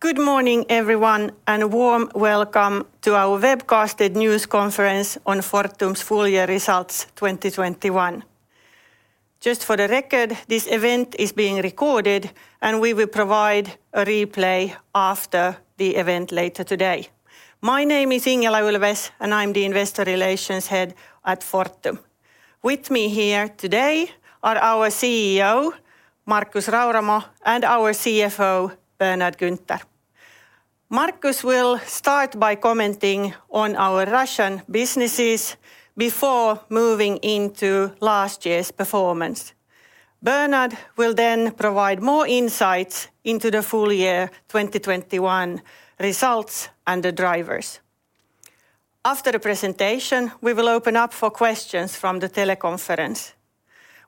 Good morning everyone, and a warm welcome to our webcasted news conference on Fortum's full year 2021 results. Just for the record, this event is being recorded, and we will provide a replay after the event later today. My name is Ingela Ulfves, and I'm the Investor Relations Head at Fortum. With me here today are our CEO, Markus Rauramo, and our CFO, Bernhard Günther. Markus will start by commenting on our Russian businesses before moving into last year's performance. Bernhard will then provide more insights into the full year 2021 results and the drivers. After the presentation, we will open up for questions from the teleconference.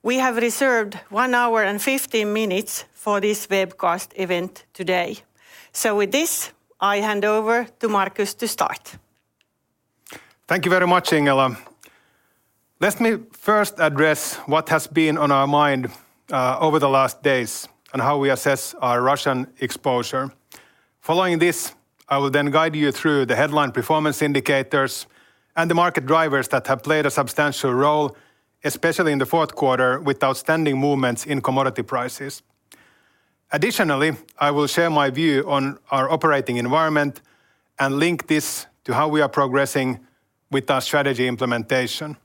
We have reserved 1 hour and 15 minutes for this webcast event today. With this, I hand over to Markus to start. Thank you very much, Ingela. Let me first address what has been on our mind over the last days and how we assess our Russian exposure. Following this, I will then guide you through the headline performance indicators and the market drivers that have played a substantial role, especially in the fourth quarter, with outstanding movements in commodity prices. Additionally, I will share my view on our operating environment and link this to how we are progressing with our strategy implementation.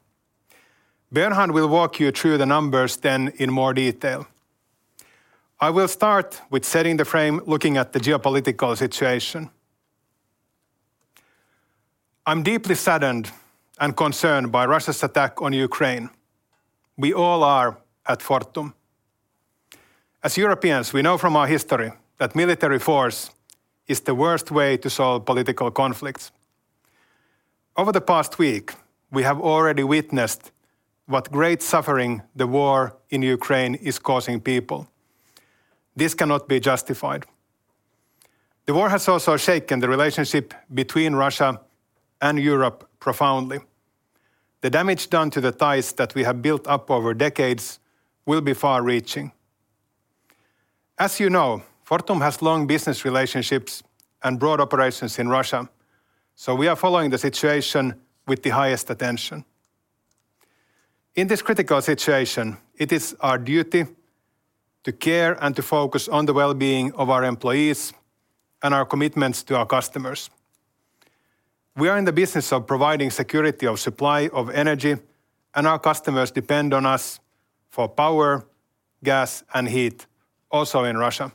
Bernhard will walk you through the numbers then in more detail. I will start with setting the frame looking at the geopolitical situation. I'm deeply saddened and concerned by Russia's attack on Ukraine. We all are at Fortum. As Europeans, we know from our history that military force is the worst way to solve political conflicts. Over the past week, we have already witnessed what great suffering the war in Ukraine is causing people. This cannot be justified. The war has also shaken the relationship between Russia and Europe profoundly. The damage done to the ties that we have built up over decades will be far-reaching. As you know, Fortum has long business relationships and broad operations in Russia, so we are following the situation with the highest attention. In this critical situation, it is our duty to care and to focus on the well-being of our employees and our commitments to our customers. We are in the business of providing security of supply of energy, and our customers depend on us for power, gas, and heat, also in Russia.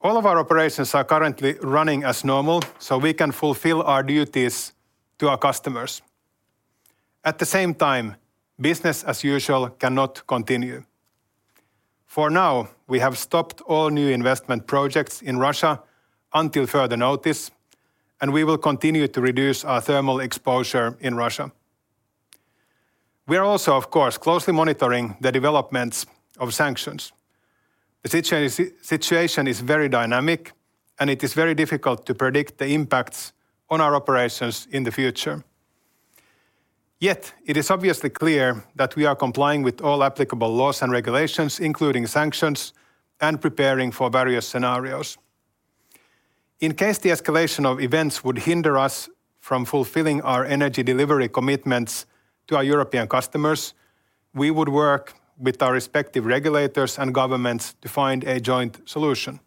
All of our operations are currently running as normal, so we can fulfill our duties to our customers. At the same time, business as usual cannot continue. For now, we have stopped all new investment projects in Russia until further notice, and we will continue to reduce our thermal exposure in Russia. We are also, of course, closely monitoring the developments of sanctions. The situation is very dynamic, and it is very difficult to predict the impacts on our operations in the future. Yet it is obviously clear that we are complying with all applicable laws and regulations, including sanctions and preparing for various scenarios. In case the escalation of events would hinder us from fulfilling our energy delivery commitments to our European customers, we would work with our respective regulators and governments to find a joint solution.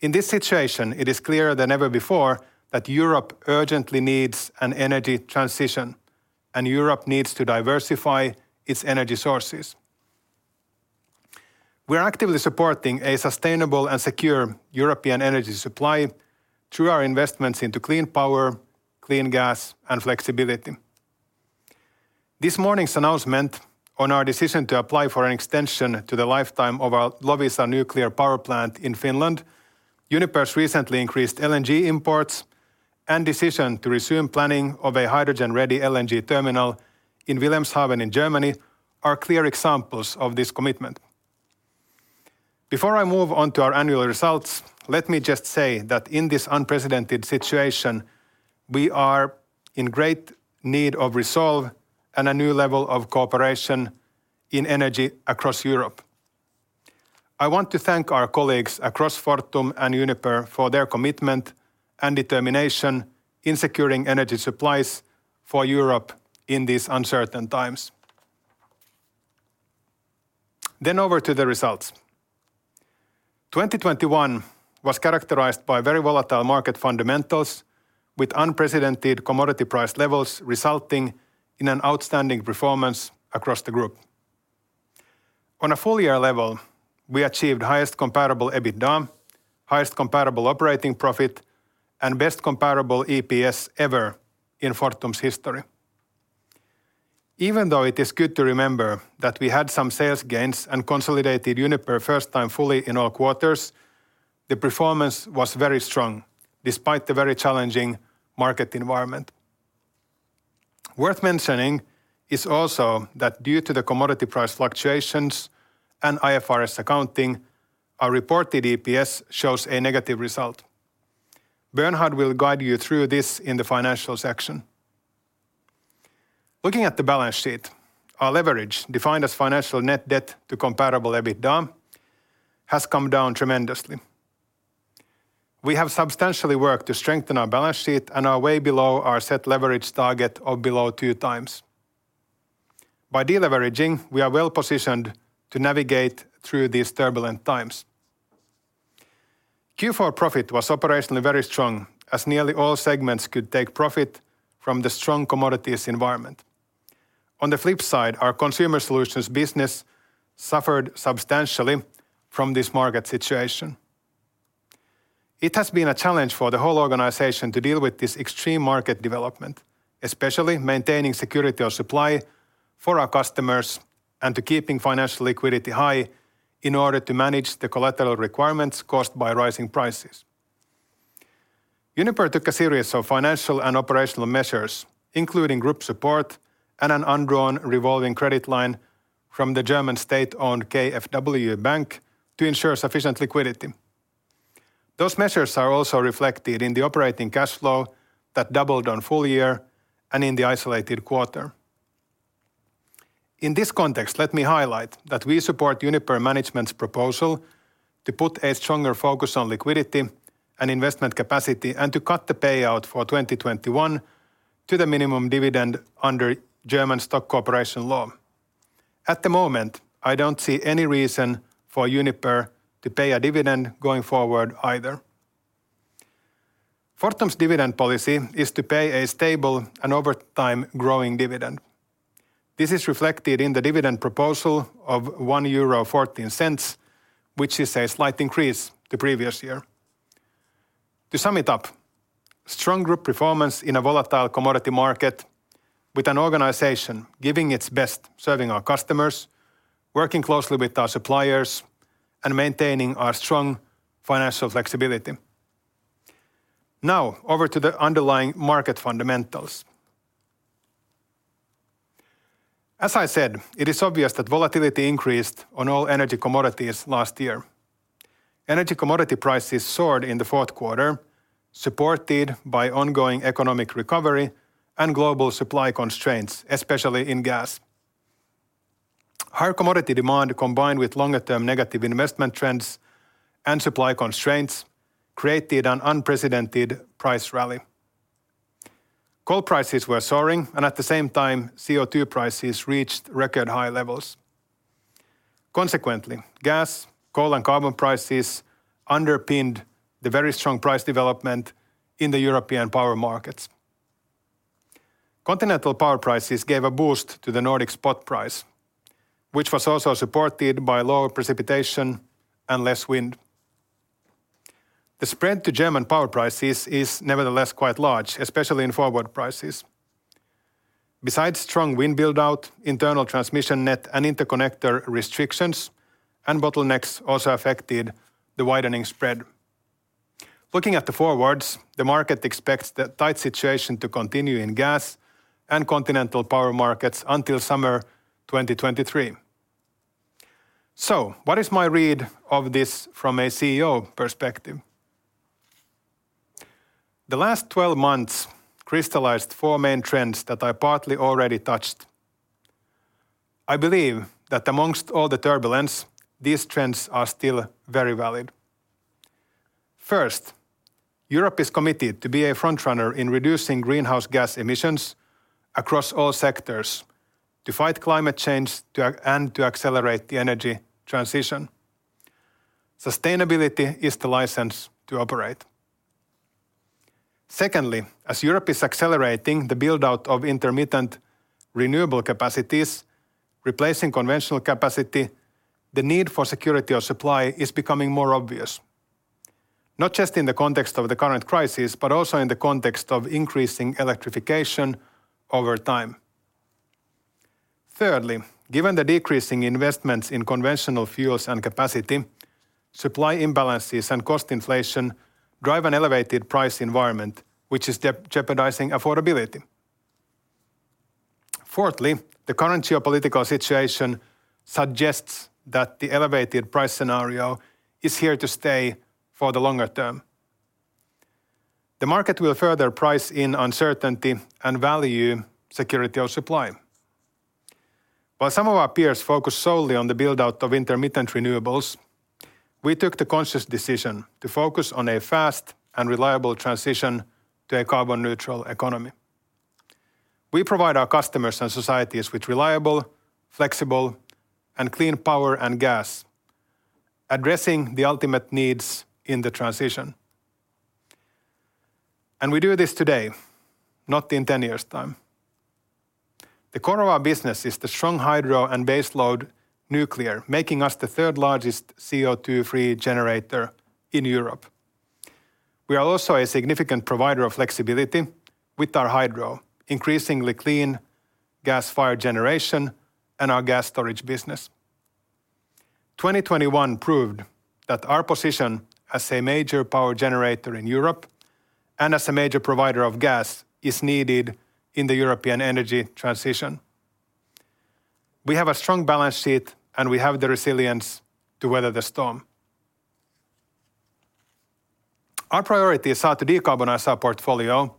In this situation, it is clearer than ever before that Europe urgently needs an energy transition, and Europe needs to diversify its energy sources. We are actively supporting a sustainable and secure European energy supply through our investments into clean power, clean gas, and flexibility. This morning's announcement on our decision to apply for an extension to the lifetime of our Loviisa nuclear power plant in Finland, Uniper's recently increased LNG imports and decision to resume planning of a hydrogen-ready LNG terminal in Wilhelmshaven in Germany are clear examples of this commitment. Before I move on to our annual results, let me just say that in this unprecedented situation, we are in great need of resolve and a new level of cooperation in energy across Europe. I want to thank our colleagues across Fortum and Uniper for their commitment and determination in securing energy supplies for Europe in these uncertain times. Over to the results. 2021 was characterized by very volatile market fundamentals with unprecedented commodity price levels resulting in an outstanding performance across the group. On a full-year level, we achieved highest Comparable EBITDA, highest comparable operating profit, and best Comparable EPS ever in Fortum's history. Even though it is good to remember that we had some sales gains and consolidated Uniper first time fully in all quarters, the performance was very strong despite the very challenging market environment. Worth mentioning is also that due to the commodity price fluctuations and IFRS accounting, our reported EPS shows a negative result. Bernhard will guide you through this in the financial section. Looking at the balance sheet, our leverage, defined as financial net debt to Comparable EBITDA, has come down tremendously. We have substantially worked to strengthen our balance sheet and are way below our set leverage target of below 2x. By deleveraging, we are well positioned to navigate through these turbulent times. Q4 profit was operationally very strong as nearly all segments could take profit from the strong commodities environment. On the flip side, our Consumer Solutions business suffered substantially from this market situation. It has been a challenge for the whole organization to deal with this extreme market development, especially maintaining security of supply for our customers and to keeping financial liquidity high in order to manage the collateral requirements caused by rising prices. Uniper took a series of financial and operational measures, including group support and an undrawn revolving credit line from the German state-owned KfW Bank to ensure sufficient liquidity. Those measures are also reflected in the operating cash flow that doubled on full year and in the isolated quarter. In this context, let me highlight that we support Uniper management's proposal to put a stronger focus on liquidity and investment capacity and to cut the payout for 2021 to the minimum dividend under German stock corporation law. At the moment, I don't see any reason for Uniper to pay a dividend going forward either. Fortum's dividend policy is to pay a stable and over time growing dividend. This is reflected in the dividend proposal of 1.14 euro, which is a slight increase to previous year. To sum it up, strong group performance in a volatile commodity market with an organization giving its best, serving our customers, working closely with our suppliers, and maintaining our strong financial flexibility. Now over to the underlying market fundamentals. As I said, it is obvious that volatility increased on all energy commodities last year. Energy commodity prices soared in the fourth quarter, supported by ongoing economic recovery and global supply constraints, especially in gas. Higher commodity demand, combined with longer-term negative investment trends and supply constraints, created an unprecedented price rally. Coal prices were soaring, and at the same time, CO2 prices reached record high levels. Consequently, gas, coal, and carbon prices underpinned the very strong price development in the European power markets. Continental power prices gave a boost to the Nordic spot price, which was also supported by lower precipitation and less wind. The spread to German power prices is nevertheless quite large, especially in forward prices. Besides strong wind build-out, internal transmission net and interconnector restrictions and bottlenecks also affected the widening spread. Looking at the forwards, the market expects the tight situation to continue in gas and continental power markets until summer 2023. What is my read of this from a CEO perspective? The last 12 months crystallized four main trends that I partly already touched. I believe that amongst all the turbulence, these trends are still very valid. First, Europe is committed to be a frontrunner in reducing greenhouse gas emissions across all sectors to fight climate change and to accelerate the energy transition. Sustainability is the license to operate. Secondly, as Europe is accelerating the build-out of intermittent renewable capacities replacing conventional capacity, the need for security of supply is becoming more obvious, not just in the context of the current crisis, but also in the context of increasing electrification over time. Thirdly, given the decreasing investments in conventional fuels and capacity, supply imbalances and cost inflation drive an elevated price environment, which is jeopardizing affordability. Fourthly, the current geopolitical situation suggests that the elevated price scenario is here to stay for the longer term. The market will further price in uncertainty and value security of supply. While some of our peers focus solely on the build-out of intermittent renewables, we took the conscious decision to focus on a fast and reliable transition to a carbon neutral economy. We provide our customers and societies with reliable, flexible, and clean power and gas, addressing the ultimate needs in the transition. We do this today, not in 10 years' time. The core of our business is the strong hydro and base load nuclear, making us the third largest CO2 free generator in Europe. We are also a significant provider of flexibility with our hydro, increasingly clean gas-fired generation, and our gas storage business. 2021 proved that our position as a major power generator in Europe and as a major provider of gas is needed in the European energy transition. We have a strong balance sheet, and we have the resilience to weather the storm. Our priority is how to decarbonize our portfolio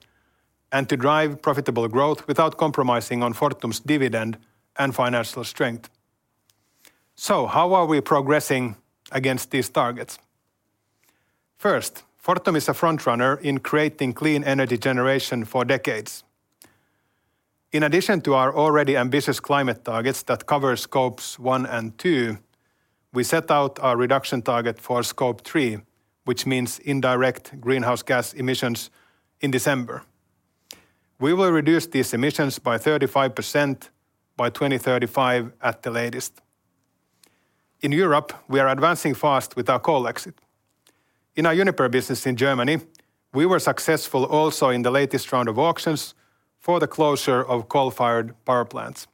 and to drive profitable growth without compromising on Fortum's dividend and financial strength. How are we progressing against these targets? First, Fortum is a frontrunner in creating clean energy generation for decades. In addition to our already ambitious climate targets that cover Scopes 1 and 2, we set out our reduction target for Scope 3, which means indirect greenhouse gas emissions in December. We will reduce these emissions by 35% by 2035 at the latest. In Europe, we are advancing fast with our coal exit. In our Uniper business in Germany, we were successful also in the latest round of auctions for the closure of coal-fired power plants.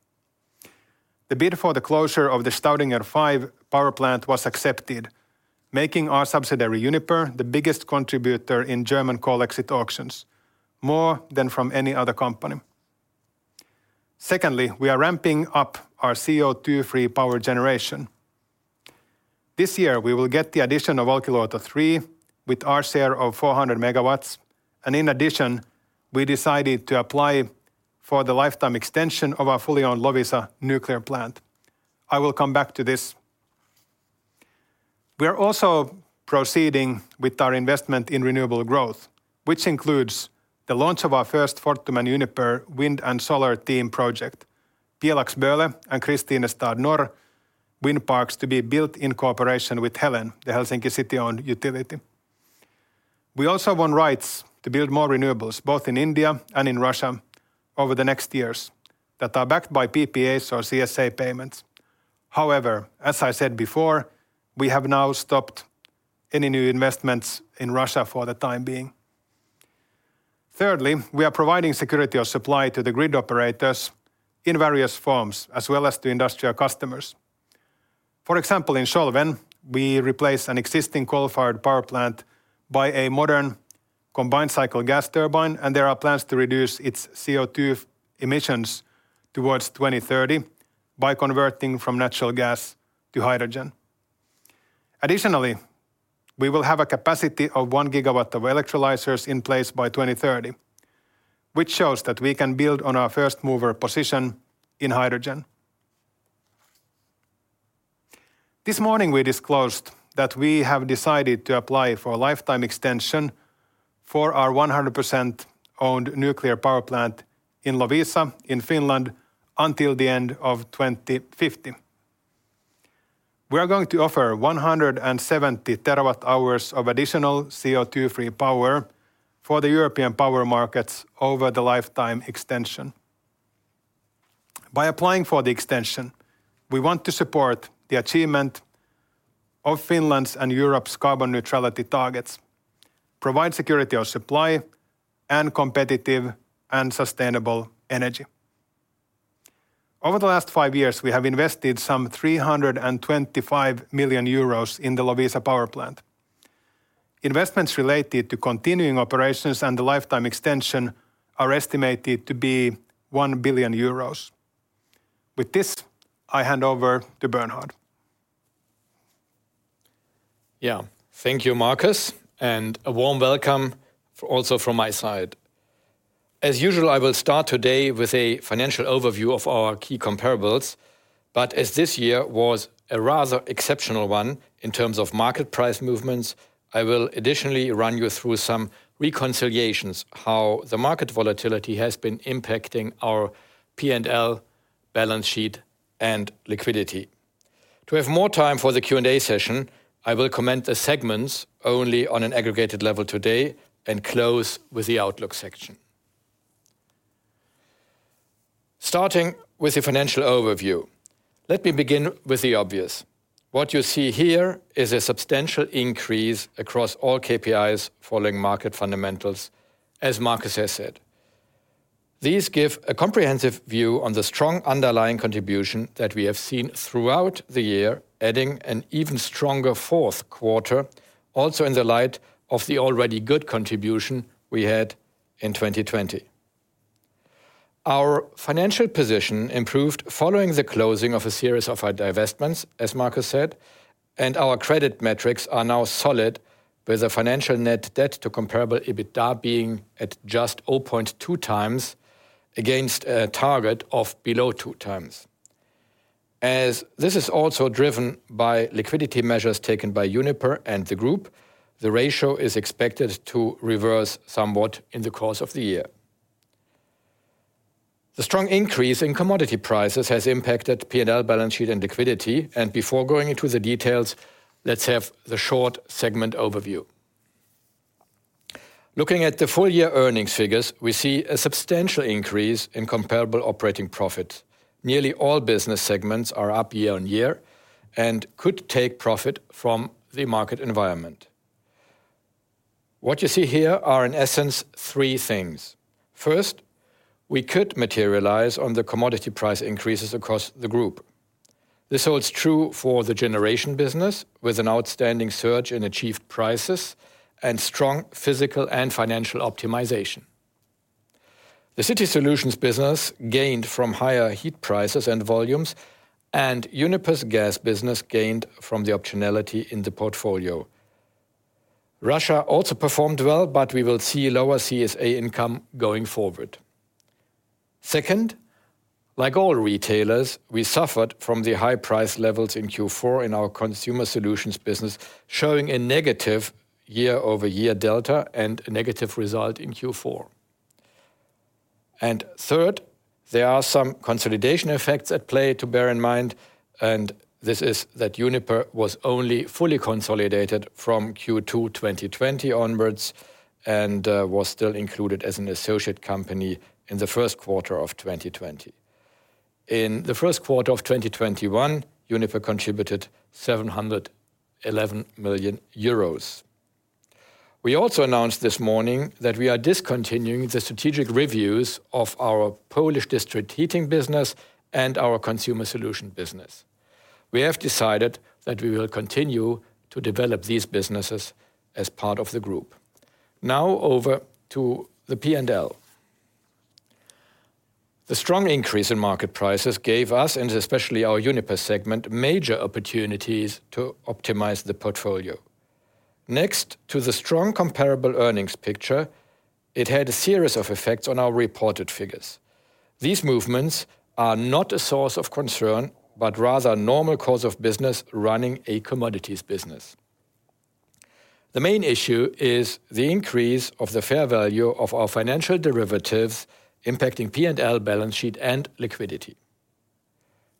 The bid for the closure of the Staudinger 5 power plant was accepted, making our subsidiary, Uniper, the biggest contributor in German coal exit auctions, more than from any other company. Secondly, we are ramping up our CO2-free power generation. This year we will get the addition of Olkiluoto 3 with our share of 400 MW, and in addition, we decided to apply for the lifetime extension of our fully owned Loviisa nuclear plant. I will come back to this. We are also proceeding with our investment in renewable growth, which includes the launch of our first Fortum and Uniper wind and solar team project, Pielax-Böle and Kristinestad Norr wind parks to be built in cooperation with Helen, the Helsinki City-owned utility. We also won rights to build more renewables, both in India and in Russia over the next years that are backed by PPAs or CSA payments. However, as I said before, we have now stopped any new investments in Russia for the time being. Thirdly, we are providing security of supply to the grid operators in various forms, as well as to industrial customers. For example, in Schölven, we replace an existing coal-fired power plant by a modern combined cycle gas turbine, and there are plans to reduce its CO2 emissions towards 2030 by converting from natural gas to hydrogen. Additionally, we will have a capacity of 1 gigawatt of electrolyzers in place by 2030, which shows that we can build on our first mover position in hydrogen. This morning we disclosed that we have decided to apply for a lifetime extension for our 100% owned nuclear power plant in Loviisa in Finland until the end of 2050. We are going to offer 170 TWh of additional CO2 free power for the European power markets over the lifetime extension. By applying for the extension, we want to support the achievement of Finland's and Europe's carbon neutrality targets, provide security of supply and competitive and sustainable energy. Over the last five years, we have invested some 325 million euros in the Loviisa power plant. Investments related to continuing operations and the lifetime extension are estimated to be 1 billion euros. With this, I hand over to Bernhard. Yeah. Thank you, Markus, and a warm welcome also from my side. As usual, I will start today with a financial overview of our key comparables, but as this year was a rather exceptional one in terms of market price movements, I will additionally run you through some reconciliations, how the market volatility has been impacting our P&L, balance sheet and liquidity. To have more time for the Q&A session, I will comment the segments only on an aggregated level today and close with the outlook section. Starting with the financial overview, let me begin with the obvious. What you see here is a substantial increase across all KPIs following market fundamentals, as Markus has said. These give a comprehensive view on the strong underlying contribution that we have seen throughout the year, adding an even stronger fourth quarter also in the light of the already good contribution we had in 2020. Our financial position improved following the closing of a series of our divestments, as Markus said, and our credit metrics are now solid with a financial net debt to Comparable EBITDA being at just 0.2x against a target of below 2x. As this is also driven by liquidity measures taken by Uniper and the group, the ratio is expected to reverse somewhat in the course of the year. The strong increase in commodity prices has impacted P&L, balance sheet, and liquidity, and before going into the details, let's have the short segment overview. Looking at the full year earnings figures, we see a substantial increase in comparable operating profit. Nearly all business segments are up year-on-year and could take profit from the market environment. What you see here are in essence three things. First, we could capitalize on the commodity price increases across the group. This holds true for the generation business with an outstanding surge in achieved prices and strong physical and financial optimization. The City Solutions business gained from higher heat prices and volumes, and Uniper's gas business gained from the optionality in the portfolio. Russia also performed well, but we will see lower CSA income going forward. Second, like all retailers, we suffered from the high price levels in Q4 in our Consumer Solutions business, showing a negative year-over-year delta and a negative result in Q4. Third, there are some consolidation effects at play to bear in mind, and this is that Uniper was only fully consolidated from Q2 2020 onwards and was still included as an associate company in the first quarter of 2020. In the first quarter of 2021, Uniper contributed 711 million euros. We also announced this morning that we are discontinuing the strategic reviews of our Polish district heating business and our Consumer Solutions business. We have decided that we will continue to develop these businesses as part of the group. Now over to the P&L. The strong increase in market prices gave us, and especially our Uniper segment, major opportunities to optimize the portfolio. Next to the strong comparable earnings picture, it had a series of effects on our reported figures. These movements are not a source of concern, but rather a normal course of business running a commodities business. The main issue is the increase of the fair value of our financial derivatives impacting P&L balance sheet and liquidity.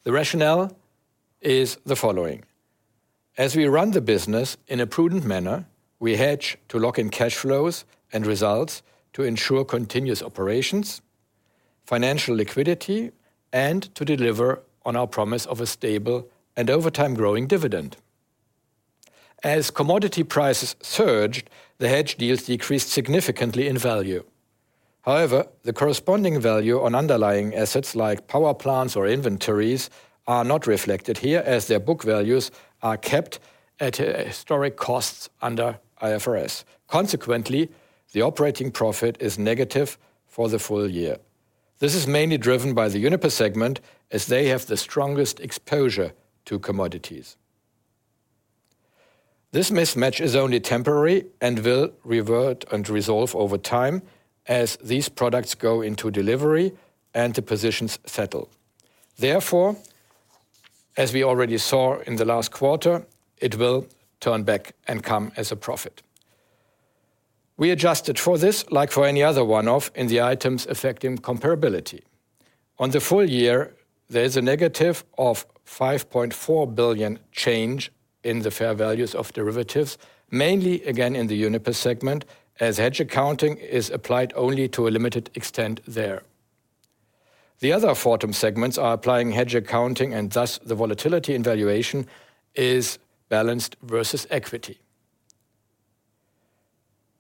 The rationale is the following. As we run the business in a prudent manner, we hedge to lock in cash flows and results to ensure continuous operations, financial liquidity, and to deliver on our promise of a stable and over time growing dividend. As commodity prices surged, the hedge deals decreased significantly in value. However, the corresponding value on underlying assets like power plants or inventories are not reflected here as their book values are kept at historic costs under IFRS. Consequently, the operating profit is negative for the full year. This is mainly driven by the Uniper segment as they have the strongest exposure to commodities. This mismatch is only temporary and will revert and resolve over time as these products go into delivery and the positions settle. Therefore, as we already saw in the last quarter, it will turn back and come as a profit. We adjusted for this, like for any other one-off, in the items affecting comparability. On the full year, there is a negative 5.4 billion change in the fair values of derivatives, mainly again in the Uniper segment as hedge accounting is applied only to a limited extent there. The other Fortum segments are applying hedge accounting and thus the volatility in valuation is balanced versus equity.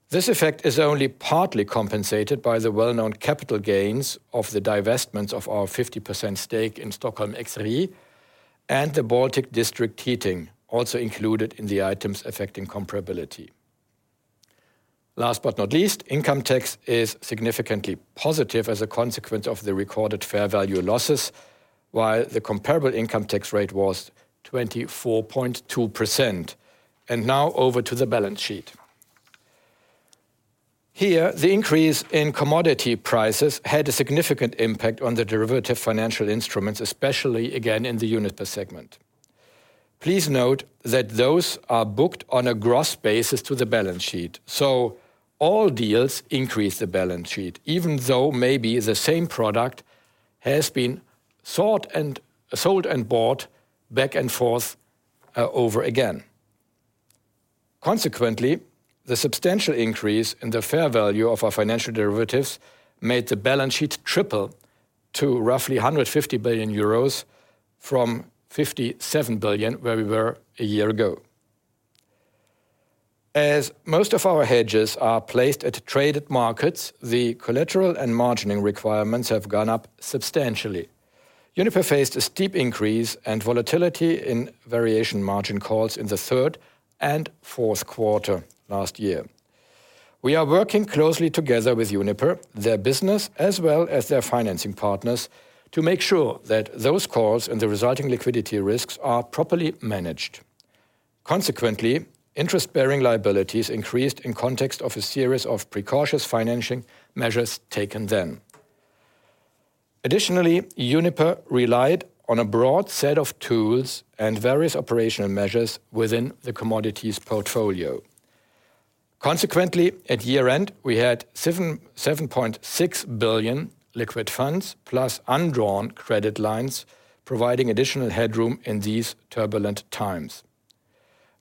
This effect is only partly compensated by the well-known capital gains of the divestments of our 50% stake in Stockholm Exergi and the Baltic district heating also included in the items affecting comparability. Last but not least, income tax is significantly positive as a consequence of the recorded fair value losses, while the comparable income tax rate was 24.2%. Now over to the balance sheet. Here, the increase in commodity prices had a significant impact on the derivative financial instruments, especially again in the Uniper segment. Please note that those are booked on a gross basis to the balance sheet, so all deals increase the balance sheet, even though maybe the same product has been sought and sold and bought back and forth, over again. Consequently, the substantial increase in the fair value of our financial derivatives made the balance sheet triple to roughly 150 billion euros from 57 billion, where we were a year ago. As most of our hedges are placed at traded markets, the collateral and margining requirements have gone up substantially. Uniper faced a steep increase and volatility in variation margin calls in the third and fourth quarter last year. We are working closely together with Uniper, their business, as well as their financing partners, to make sure that those calls and the resulting liquidity risks are properly managed. Consequently, interest-bearing liabilities increased in context of a series of precautionary financing measures taken then. Additionally, Uniper relied on a broad set of tools and various operational measures within the commodities portfolio. Consequently, at year-end, we had 7.6 billion liquid funds plus undrawn credit lines providing additional headroom in these turbulent times.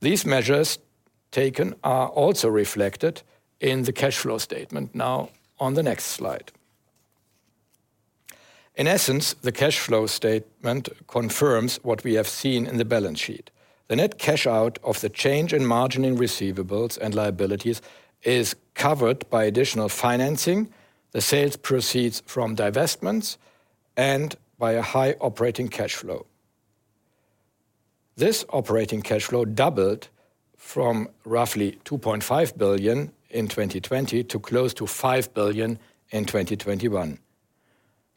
These measures taken are also reflected in the cash flow statement now on the next slide. In essence, the cash flow statement confirms what we have seen in the balance sheet. The net cash out of the change in margin in receivables and liabilities is covered by additional financing, the sales proceeds from divestments, and by a high operating cash flow. This operating cash flow doubled from roughly 2.5 billion in 2020 to close to 5 billion in 2021.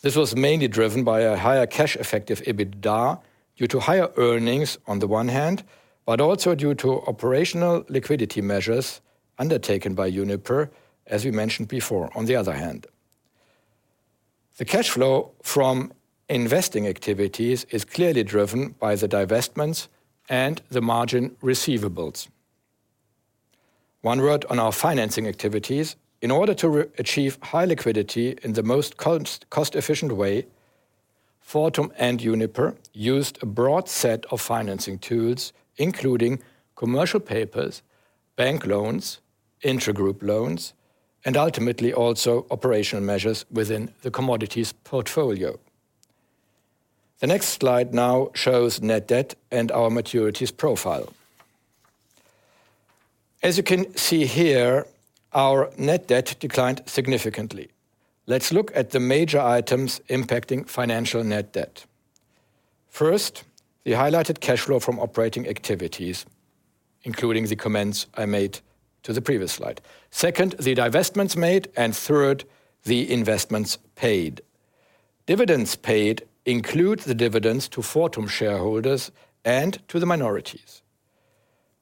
This was mainly driven by a higher cash effective EBITDA due to higher earnings on the one hand, but also due to operational liquidity measures undertaken by Uniper, as we mentioned before on the other hand. The cash flow from investing activities is clearly driven by the divestments and the margin receivables. One word on our financing activities. In order to re-achieve high liquidity in the most cost-efficient way, Fortum and Uniper used a broad set of financing tools, including commercial papers, bank loans, intragroup loans, and ultimately also operational measures within the commodities portfolio. The next slide now shows net debt and our maturities profile. As you can see here, our net debt declined significantly. Let's look at the major items impacting financial net debt. First, the highlighted cash flow from operating activities, including the comments I made to the previous slide. Second, the divestments made, and third, the investments paid. Dividends paid include the dividends to Fortum shareholders and to the minorities.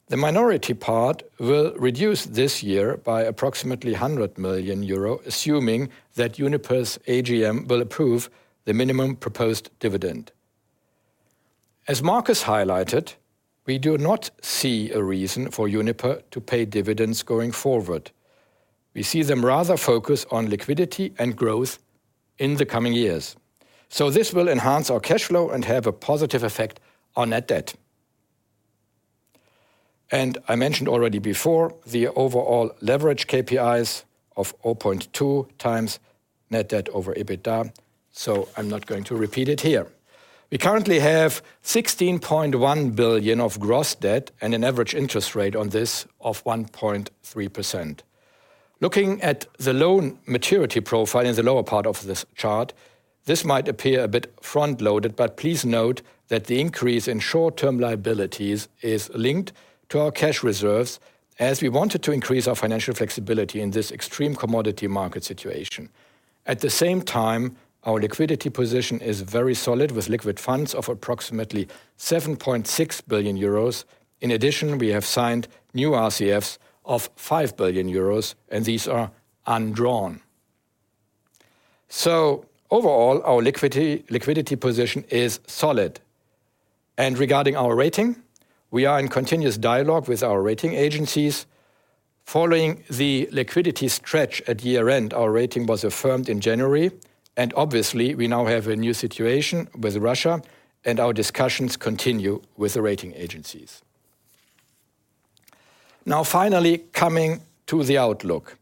The minority part will reduce this year by approximately 100 million euro, assuming that Uniper's AGM will approve the minimum proposed dividend. As Markus highlighted, we do not see a reason for Uniper to pay dividends going forward. We see them rather focus on liquidity and growth in the coming years. This will enhance our cash flow and have a positive effect on net debt. I mentioned already before the overall leverage KPIs of 0.2x net debt over EBITDA, so I'm not going to repeat it here. We currently have EUR 16.1 billion of gross debt and an average interest rate on this of 1.3%. Looking at the loan maturity profile in the lower part of this chart, this might appear a bit front-loaded, but please note that the increase in short-term liabilities is linked to our cash reserves as we wanted to increase our financial flexibility in this extreme commodity market situation. At the same time, our liquidity position is very solid with liquid funds of approximately 7.6 billion euros. In addition, we have signed new RCFs of 5 billion euros, and these are undrawn. Overall, our liquidity position is solid. Regarding our rating, we are in continuous dialogue with our rating agencies. Following the liquidity stretch at year-end, our rating was affirmed in January, and obviously we now have a new situation with Russia, and our discussions continue with the rating agencies. Now finally, coming to the outlook.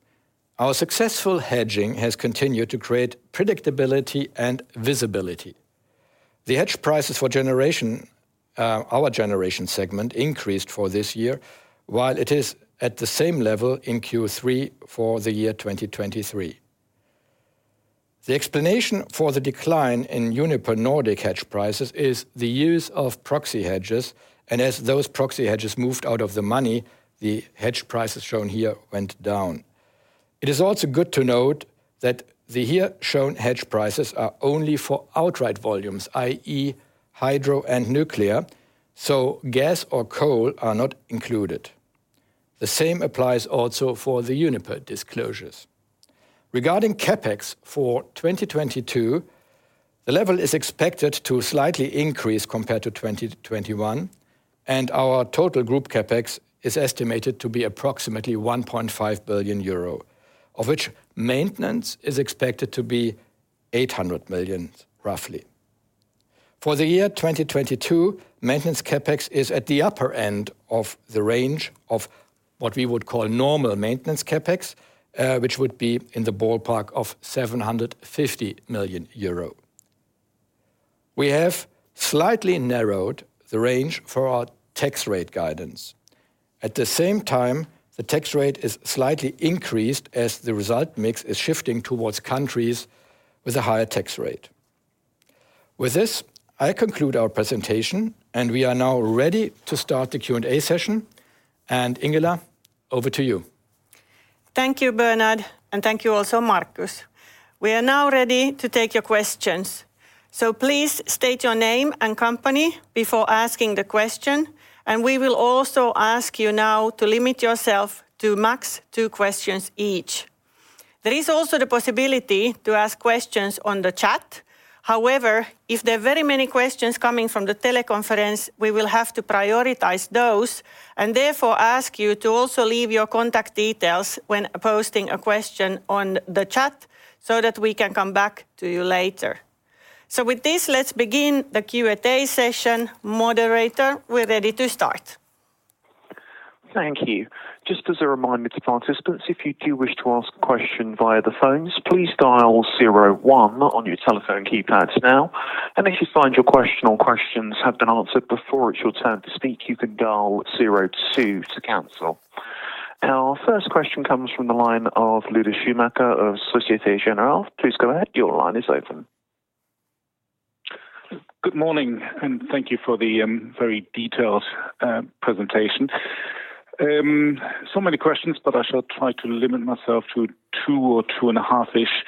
Our successful hedging has continued to create predictability and visibility. The hedge prices for generation, our generation segment increased for this year, while it is at the same level in Q3 for the year 2023. The explanation for the decline in Uniper Nordic hedge prices is the use of proxy hedges, and as those proxy hedges moved out of the money, the hedge prices shown here went down. It is also good to note that the here shown hedge prices are only for outright volumes, i.e., hydro and nuclear, so gas or coal are not included. The same applies also for the Uniper disclosures. Regarding CapEx for 2022, the level is expected to slightly increase compared to 2021, and our total group CapEx is estimated to be approximately 1.5 billion euro, of which maintenance is expected to be 800 million, roughly. For the year 2022, maintenance CapEx is at the upper end of the range of what we would call normal maintenance CapEx, which would be in the ballpark of 750 million euro. We have slightly narrowed the range for our tax rate guidance. At the same time, the tax rate is slightly increased as the result mix is shifting towards countries with a higher tax rate. With this, I conclude our presentation, and we are now ready to start the Q&A session. Ingela, over to you. Thank you, Bernhard, and thank you also, Markus. We are now ready to take your questions. Please state your name and company before asking the question, and we will also ask you now to limit yourself to max 2 questions each. There is also the possibility to ask questions on the chat. However, if there are very many questions coming from the teleconference, we will have to prioritize those and therefore ask you to also leave your contact details when posting a question on the chat so that we can come back to you later. With this, let's begin the Q&A session. Moderator, we're ready to start. Thank you. Just as a reminder to participants, if you do wish to ask a question via the phones, please dial zero one on your telephone keypads now. If you find your question or questions have been answered before it's your turn to speak, you can dial zero two to cancel. Our first question comes from the line of Lueder Schumacher of Société Générale. Please go ahead. Your line is open. Good morning, and thank you for the very detailed presentation. So many questions, but I shall try to limit myself to two or 2.5-ish.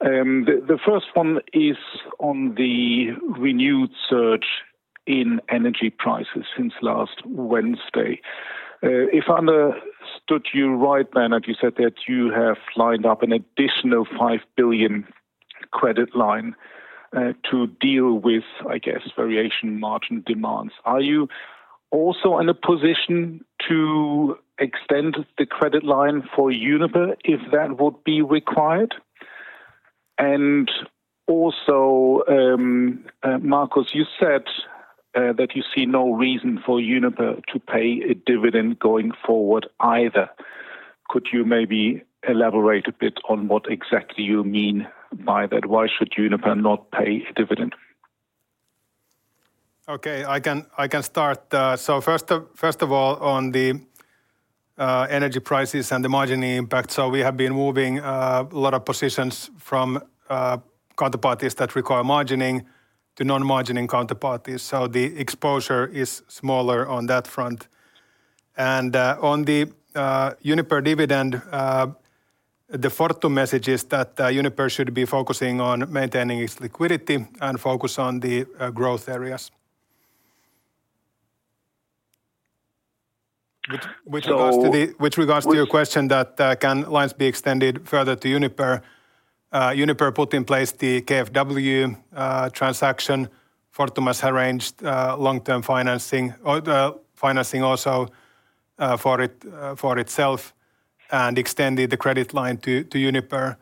The first one is on the renewed surge in energy prices since last Wednesday. If I understood you right, Bernhard, you said that you have lined up an additional 5 billion credit line to deal with, I guess, variation margin demands. Are you also in a position to extend the credit line for Uniper if that would be required? Also, Markus, you said that you see no reason for Uniper to pay a dividend going forward either. Could you maybe elaborate a bit on what exactly you mean by that? Why should Uniper not pay a dividend? Okay. I can start. First of all, on the energy prices and the margining impact. We have been moving a lot of positions from counterparties that require margining to non-margining counterparties. The exposure is smaller on that front. On the Uniper dividend, the Fortum message is that Uniper should be focusing on maintaining its liquidity and focus on the growth areas. So- With regards to your question that can lines be extended further to Uniper put in place the KfW transaction. Fortum has arranged long-term financing or the financing also for it for itself and extended the credit line to Uniper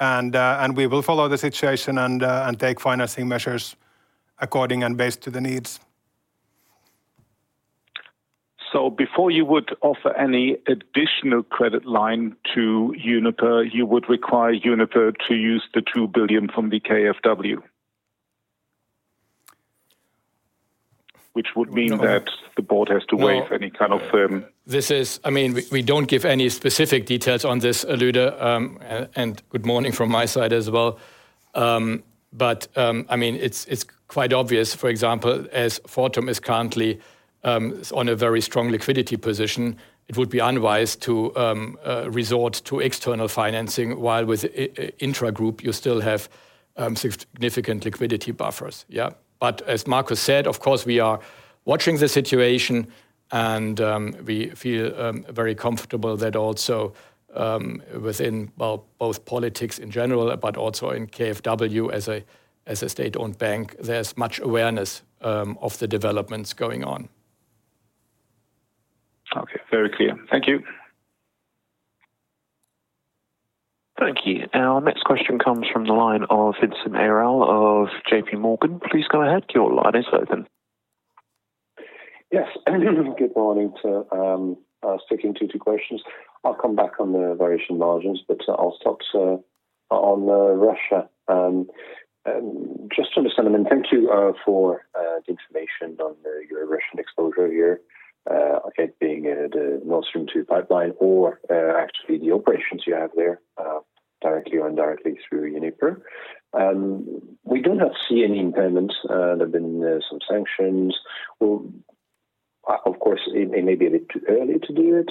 and we will follow the situation and take financing measures according and based to the needs. Before you would offer any additional credit line to Uniper, you would require Uniper to use the 2 billion from the KfW? Which would mean that the board has to wait for any kind of, I mean, we don't give any specific details on this, Lueder, and good morning from my side as well. It's quite obvious, for example, as Fortum is currently on a very strong liquidity position, it would be unwise to resort to external financing while with intragroup you still have significant liquidity buffers. Yeah. As Markus said, of course, we are watching the situation and we feel very comfortable that also within, well, both politics in general but also in KfW as a state-owned bank, there's much awareness of the developments going on. Okay. Very clear. Thank you. Thank you. Our next question comes from the line of Vincent Ayral of J.P. Morgan. Please go ahead. Your line is open. Yes. Good morning, too, sticking to two questions. I'll come back on the variation margins, but I'll start on Russia. Just to understand, and thank you for the information on your Russian exposure here, again, being the Nord Stream 2 pipeline or actually the operations you have there directly or indirectly through Uniper. We do not see any impairment. There have been some sanctions. Well, of course, it may be a bit too early to do it.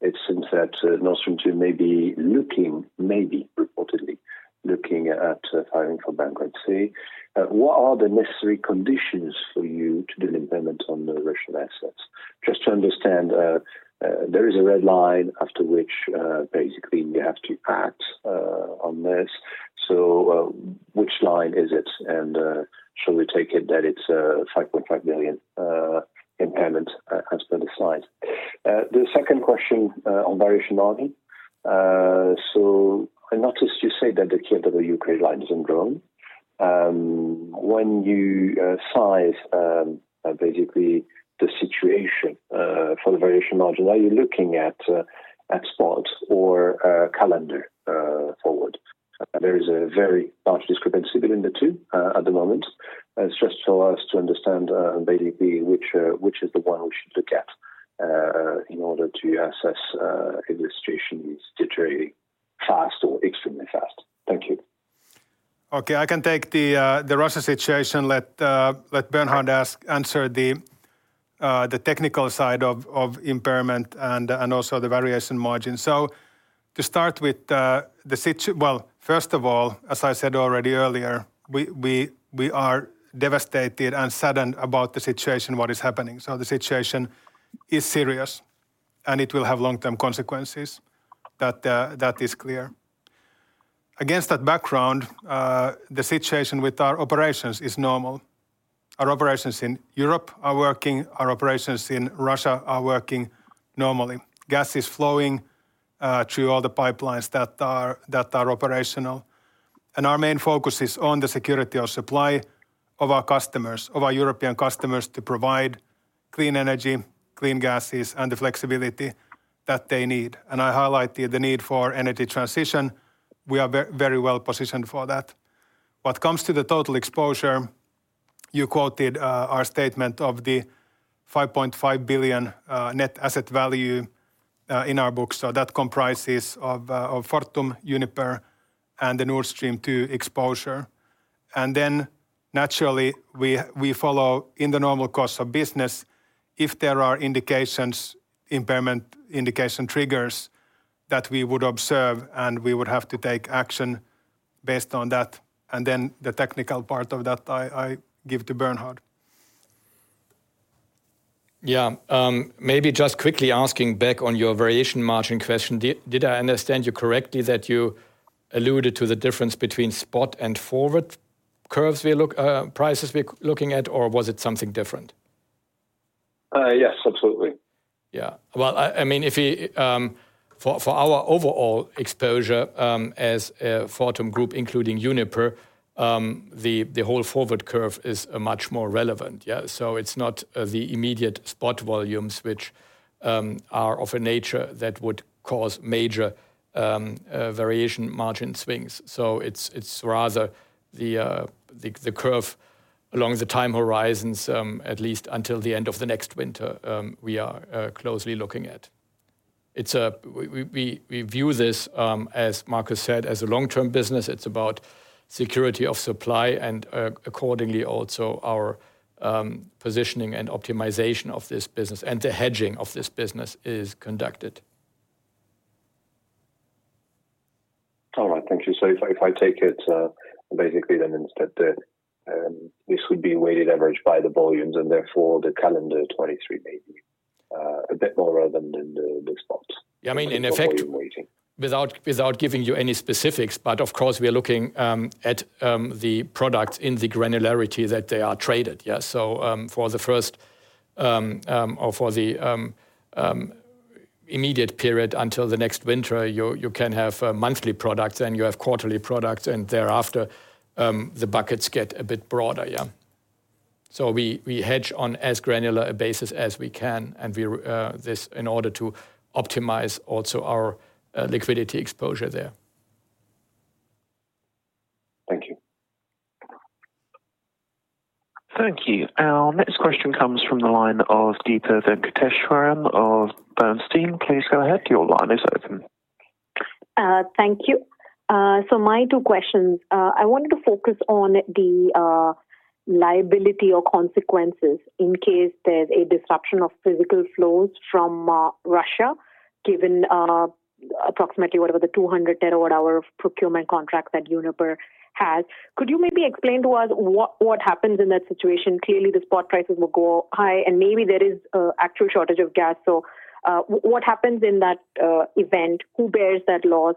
It seems that Nord Stream 2 may be looking, maybe reportedly looking at filing for bankruptcy. What are the necessary conditions for you to do an impairment on the Russian assets? Just to understand, there is a red line after which basically you have to act on this. Which line is it? Shall we take it that it's 5.5 billion impairment as per the slides? The second question on variation margin. I noticed you say that the KfW credit line has been drawn. When you size basically the situation for the variation margin, are you looking at spot or calendar forward? There is a very large discrepancy between the two at the moment. Just for us to understand, basically which is the one we should look at in order to assess if the situation is deteriorating fast or extremely fast. Thank you. Okay. I can take the Russia situation. Let Bernhard answer the technical side of impairment and also the variation margin. To start with, well, first of all, as I said already earlier, we are devastated and saddened about the situation, what is happening. The situation is serious, and it will have long-term consequences. That is clear. Against that background, the situation with our operations is normal. Our operations in Europe are working, our operations in Russia are working normally. Gas is flowing through all the pipelines that are operational. Our main focus is on the security of supply of our customers, of our European customers, to provide clean energy, clean gases, and the flexibility that they need. I highlighted the need for energy transition. We are very well positioned for that. What comes to the total exposure. You quoted our statement of the 5.5 billion net asset value in our books. That comprises of Fortum, Uniper, and the Nord Stream 2 exposure. Then naturally we follow in the normal course of business, if there are indications, impairment indication triggers that we would observe and we would have to take action based on that. Then the technical part of that I give to Bernhard. Yeah. Maybe just quickly asking back on your variation margin question. Did I understand you correctly that you alluded to the difference between spot and forward curves, prices we're looking at, or was it something different? Yes, absolutely. Yeah. Well, I mean, if we for our overall exposure as a Fortum group including Uniper, the whole forward curve is much more relevant, yeah? It's not the immediate spot volumes which are of a nature that would cause major variation margin swings. It's rather the curve along the time horizons, at least until the end of the next winter, we are closely looking at. We view this, as Markus said, as a long-term business. It's about security of supply and accordingly also our positioning and optimization of this business, and the hedging of this business is conducted. All right. Thank you. If I take it, basically then instead the, this would be weighted average by the volumes and therefore the calendar 2023 maybe, a bit more rather than the spots. Yeah. I mean, in effect- Volume weighting without giving you any specifics, but of course, we are looking at the products in the granularity that they are traded, yeah? For the immediate period until the next winter, you can have monthly products and you have quarterly products, and thereafter, the buckets get a bit broader, yeah? We hedge on as granular a basis as we can, and we do this in order to optimize also our liquidity exposure there. Thank you. Thank you. Our next question comes from the line of Deepa Venkateswaran of Bernstein. Please go ahead, your line is open. Thank you. My two questions, I wanted to focus on the liability or consequences in case there's a disruption of physical flows from Russia, given approximately whatever the 200 terawatt hour of procurement contract that Uniper has. Could you maybe explain to us what happens in that situation? Clearly, the spot prices will go high, and maybe there is actual shortage of gas. What happens in that event? Who bears that loss?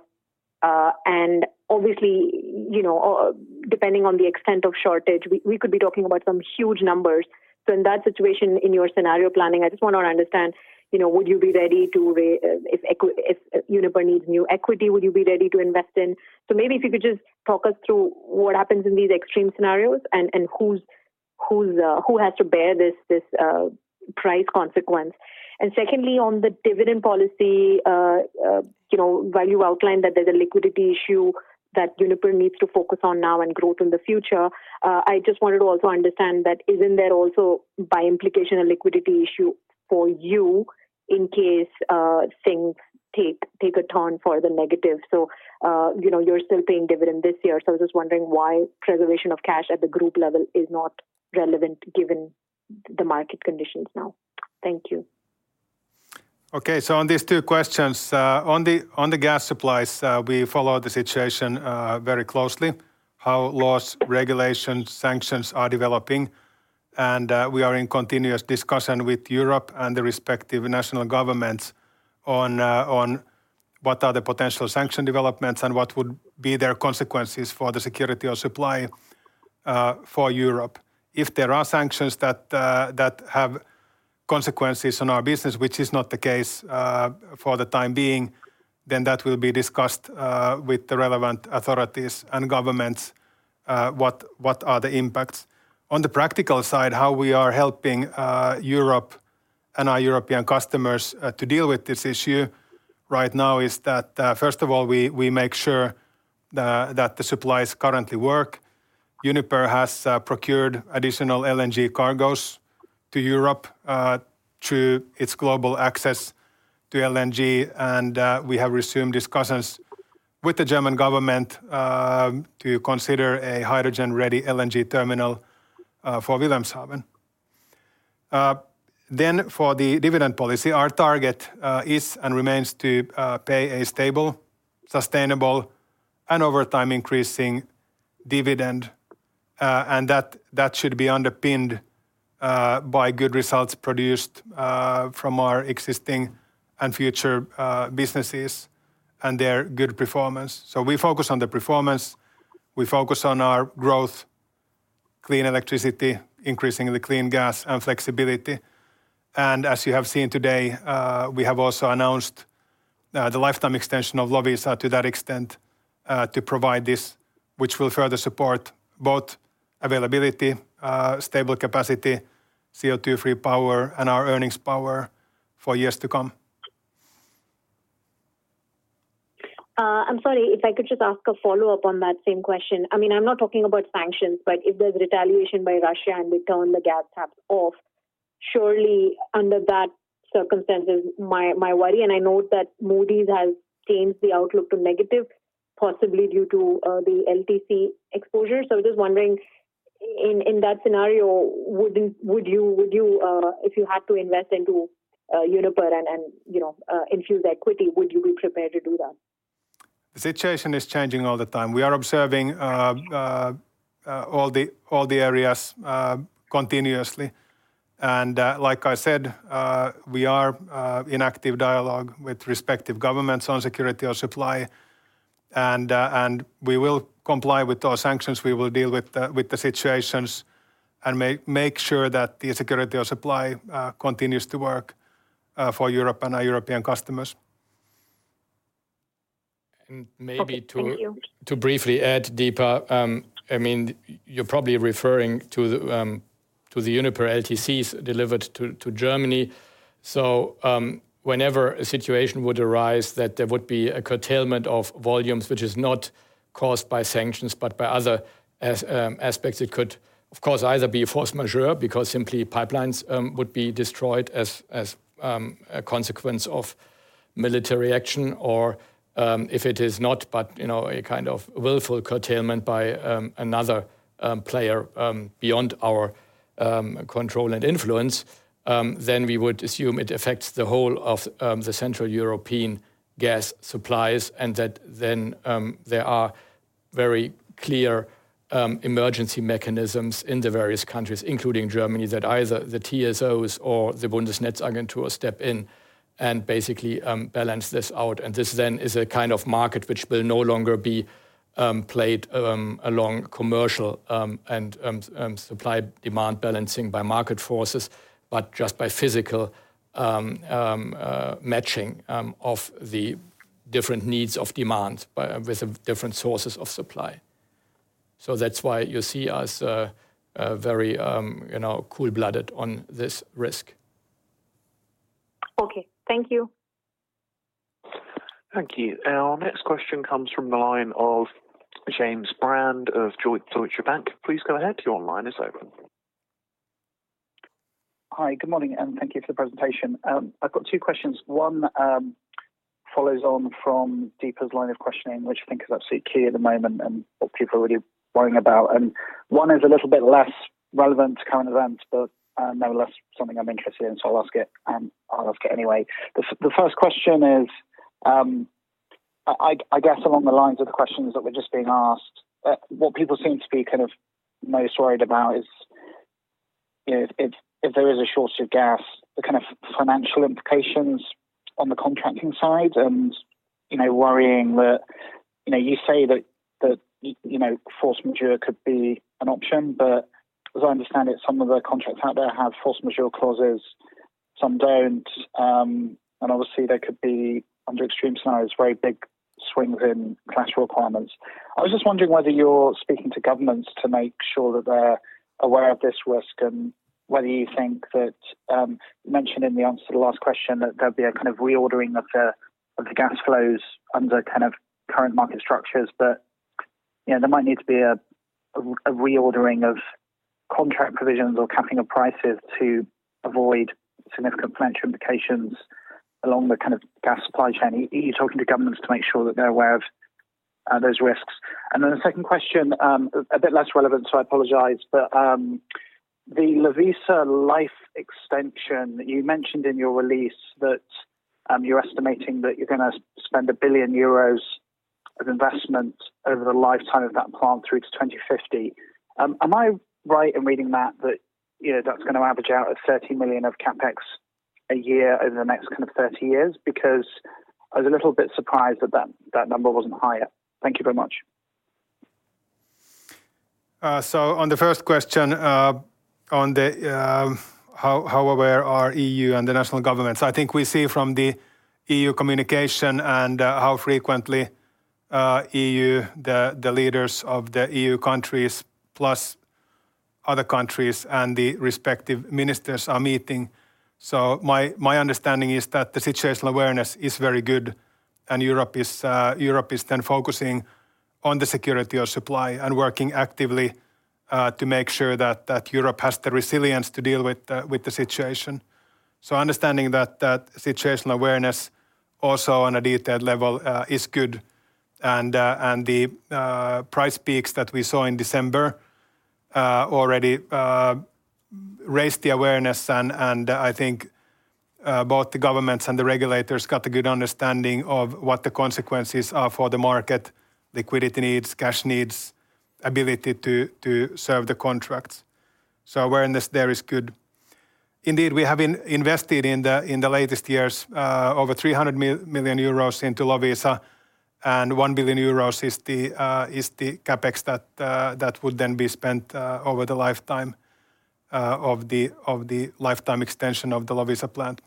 And obviously, you know, depending on the extent of shortage, we could be talking about some huge numbers. In that situation, in your scenario planning, I just want to understand, you know, would you be ready to, if Uniper needs new equity, would you be ready to invest in? Maybe if you could just talk us through what happens in these extreme scenarios and who has to bear this price consequence? Secondly, on the dividend policy, you know, while you outlined that there's a liquidity issue that Uniper needs to focus on now and growth in the future, I just wanted to also understand that isn't there also by implication a liquidity issue for you in case things take a turn for the negative? You know, you're still paying dividend this year, so I was just wondering why preservation of cash at the group level is not relevant given the market conditions now. Thank you. Okay. On these two questions, on the gas supplies, we follow the situation very closely, how laws, regulations, sanctions are developing, and we are in continuous discussion with Europe and the respective national governments on what are the potential sanction developments and what would be their consequences for the security of supply for Europe. If there are sanctions that have consequences on our business, which is not the case for the time being, then that will be discussed with the relevant authorities and governments what are the impacts. On the practical side, how we are helping Europe and our European customers to deal with this issue right now is that first of all, we make sure that the supplies currently work. Uniper has procured additional LNG cargos to Europe through its global access to LNG, and we have resumed discussions with the German government to consider a hydrogen-ready LNG terminal for Wilhelmshaven. For the dividend policy, our target is and remains to pay a stable, sustainable, and over time increasing dividend, and that should be underpinned by good results produced from our existing and future businesses and their good performance. We focus on the performance. We focus on our growth, clean electricity, increasingly clean gas and flexibility. As you have seen today, we have also announced the lifetime extension of Loviisa to that extent to provide this, which will further support both availability, stable capacity, CO2 free power, and our earnings power for years to come. I'm sorry, if I could just ask a follow-up on that same question. I mean, I'm not talking about sanctions, but if there's retaliation by Russia and they turn the gas taps off, surely under that circumstances my worry, and I note that Moody's has changed the outlook to negative, possibly due to the LTC exposure. I'm just wondering in that scenario, would you if you had to invest into Uniper and you know infuse their equity, would you be prepared to do that? The situation is changing all the time. We are observing all the areas continuously. Like I said, we are in active dialogue with respective governments on security of supply and we will comply with those sanctions. We will deal with the situations and make sure that the security of supply continues to work for Europe and our European customers. Okay. Thank you. Maybe to briefly add, Deepa, I mean, you're probably referring to the Uniper LTCs delivered to Germany. Whenever a situation would arise that there would be a curtailment of volumes which is not caused by sanctions, but by other aspects, it could of course either be force majeure because simply pipelines would be destroyed as a consequence of military action, or, if it is not but, you know, a kind of willful curtailment by another player beyond our control and influence, then we would assume it affects the whole of the Central European gas supplies and that then there are very clear emergency mechanisms in the various countries, including Germany, that either the TSOs or the Bundesnetzagentur step in and basically balance this out. This then is a kind of market which will no longer be played along commercial and supply-demand balancing by market forces, but just by physical matching of the different needs of demand with the different sources of supply. That's why you see us very you know cool-blooded on this risk. Okay. Thank you. Thank you. Our next question comes from the line of James Brand of Deutsche Bank. Please go ahead. Your line is open. Hi. Good morning, and thank you for the presentation. I've got two questions. One follows on from Deepa's line of questioning, which I think is absolutely key at the moment and what people are really worrying about, and one is a little bit less relevant to current events, but nonetheless something I'm interested in, so I'll ask it anyway. The first question is, I guess along the lines of the questions that were just being asked, what people seem to be kind of most worried about is if there is a shortage of gas, the kind of financial implications on the contracting side and, you know, worrying that, you know, you say that you know, force majeure could be an option. As I understand it, some of the contracts out there have force majeure clauses, some don't. And obviously there could be, under extreme scenarios, very big swings in cash requirements. I was just wondering whether you're speaking to governments to make sure that they're aware of this risk and whether you think that, you mentioned in the answer to the last question that there'd be a kind of reordering of the gas flows under kind of current market structures. But, you know, there might need to be a reordering of contract provisions or capping of prices to avoid significant financial implications along the kind of gas supply chain. Are you talking to governments to make sure that they're aware of, those risks? And then the second question, a bit less relevant, so I apologize. The Loviisa life extension, you mentioned in your release that, you're estimating that you're gonna spend 1 billion euros of investment over the lifetime of that plant through to 2050. Am I right in reading that, you know, that's gonna average out at 30 million of CapEx a year over the next kind of 30 years? Because I was a little bit surprised that that number wasn't higher. Thank you very much. On the first question, how aware are the EU and the national governments? I think we see from the EU communication and how frequently the EU, the leaders of the EU countries plus other countries and the respective ministers are meeting. My understanding is that the situational awareness is very good and Europe is then focusing on the security of supply and working actively to make sure that Europe has the resilience to deal with the situation. Understanding that situational awareness also on a detailed level is good and the price peaks that we saw in December already raised the awareness and I think both the governments and the regulators got a good understanding of what the consequences are for the market, liquidity needs, cash needs, ability to serve the contracts. Awareness there is good. Indeed, we have invested in the latest years over 300 million euros into Loviisa, and 1 billion euros is the CapEx that would then be spent over the lifetime of the lifetime extension of the Loviisa plant.